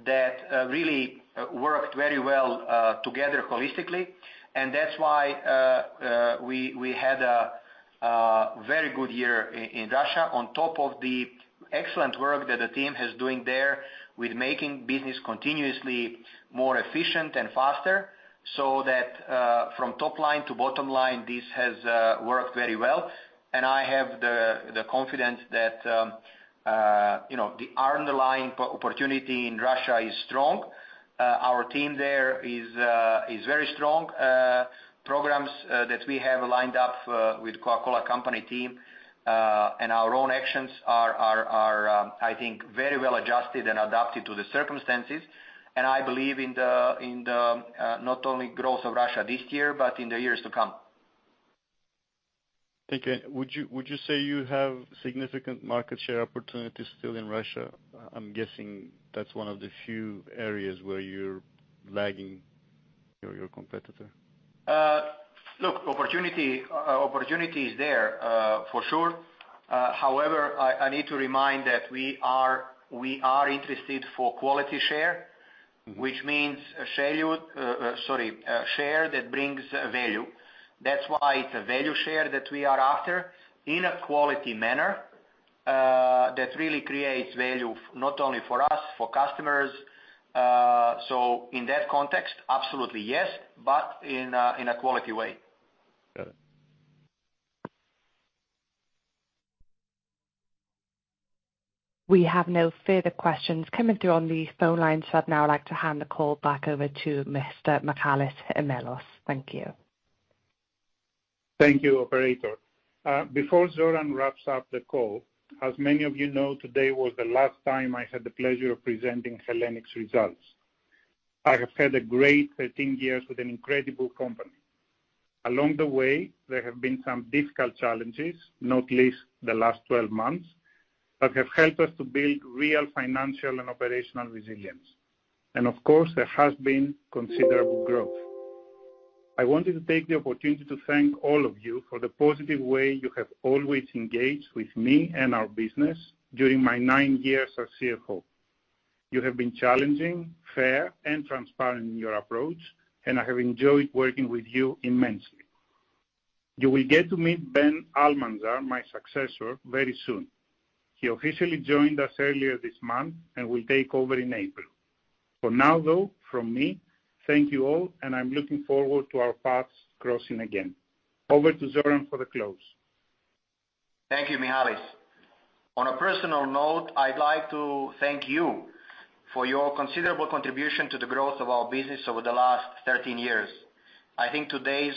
that really worked very well together holistically. And that's why we had a very good year in Russia on top of the excellent work that the team has been doing there with making business continuously more efficient and faster so that from top line to bottom line, this has worked very well. And I have the confidence that the underlying opportunity in Russia is strong. Our team there is very strong. Programs that we have lined up with Coca-Cola Company team and our own actions are, I think, very well adjusted and adapted to the circumstances. And I believe in the not only growth of Russia this year, but in the years to come. Thank you. Would you say you have significant market share opportunities still in Russia? I'm guessing that's one of the few areas where you're lagging your competitor. Look, opportunity is there for sure. However, I need to remind that we are interested in quality share, which means share that brings value. That's why it's a value share that we are after in a quality manner that really creates value not only for us, for customers. So in that context, absolutely, yes, but in a quality way. Got it. We have no further questions coming through on the phone line, so I'd now like to hand the call back over to Mr. Michalis Imellos. Thank you. Thank you, Operator. Before Zoran wraps up the call, as many of you know, today was the last time I had the pleasure of presenting Hellenic's results. I have had a great 13 years with an incredible company. Along the way, there have been some difficult challenges, not least the last 12 months, that have helped us to build real financial and operational resilience. Of course, there has been considerable growth. I wanted to take the opportunity to thank all of you for the positive way you have always engaged with me and our business during my nine years as CFO. You have been challenging, fair, and transparent in your approach, and I have enjoyed working with you immensely. You will get to meet Ben Almanzar, my successor, very soon. He officially joined us earlier this month and will take over in April. For now, though, from me, thank you all, and I'm looking forward to our paths crossing again. Over to Zoran for the close. Thank you, Michalis. On a personal note, I'd like to thank you for your considerable contribution to the growth of our business over the last 13 years. I think today's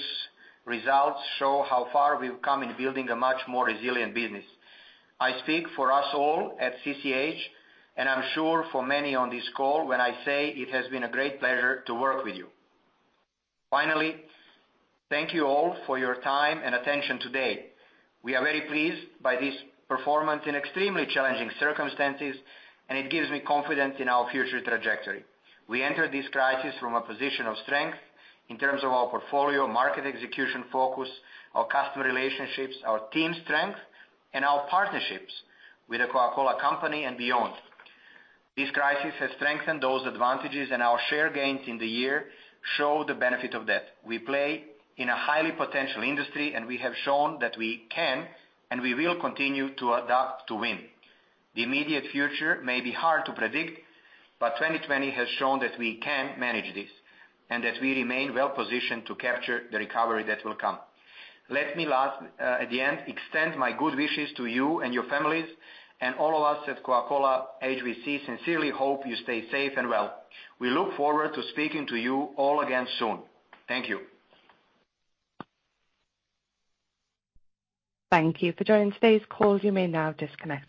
results show how far we've come in building a much more resilient business. I speak for us all at CCH, and I'm sure for many on this call when I say it has been a great pleasure to work with you. Finally, thank you all for your time and attention today. We are very pleased by this performance in extremely challenging circumstances, and it gives me confidence in our future trajectory. We entered this crisis from a position of strength in terms of our portfolio, market execution focus, our customer relationships, our team strength, and our partnerships with the Coca-Cola Company and beyond. This crisis has strengthened those advantages, and our share gains in the year show the benefit of that. We play in a highly potential industry, and we have shown that we can and we will continue to adapt to win. The immediate future may be hard to predict, but 2020 has shown that we can manage this and that we remain well-positioned to capture the recovery that will come. Let me lastly at the end extend my good wishes to you and your families and all of us at Coca-Cola HBC. I sincerely hope you stay safe and well. We look forward to speaking to you all again soon. Thank you. Thank you for joining today's call. You may now disconnect.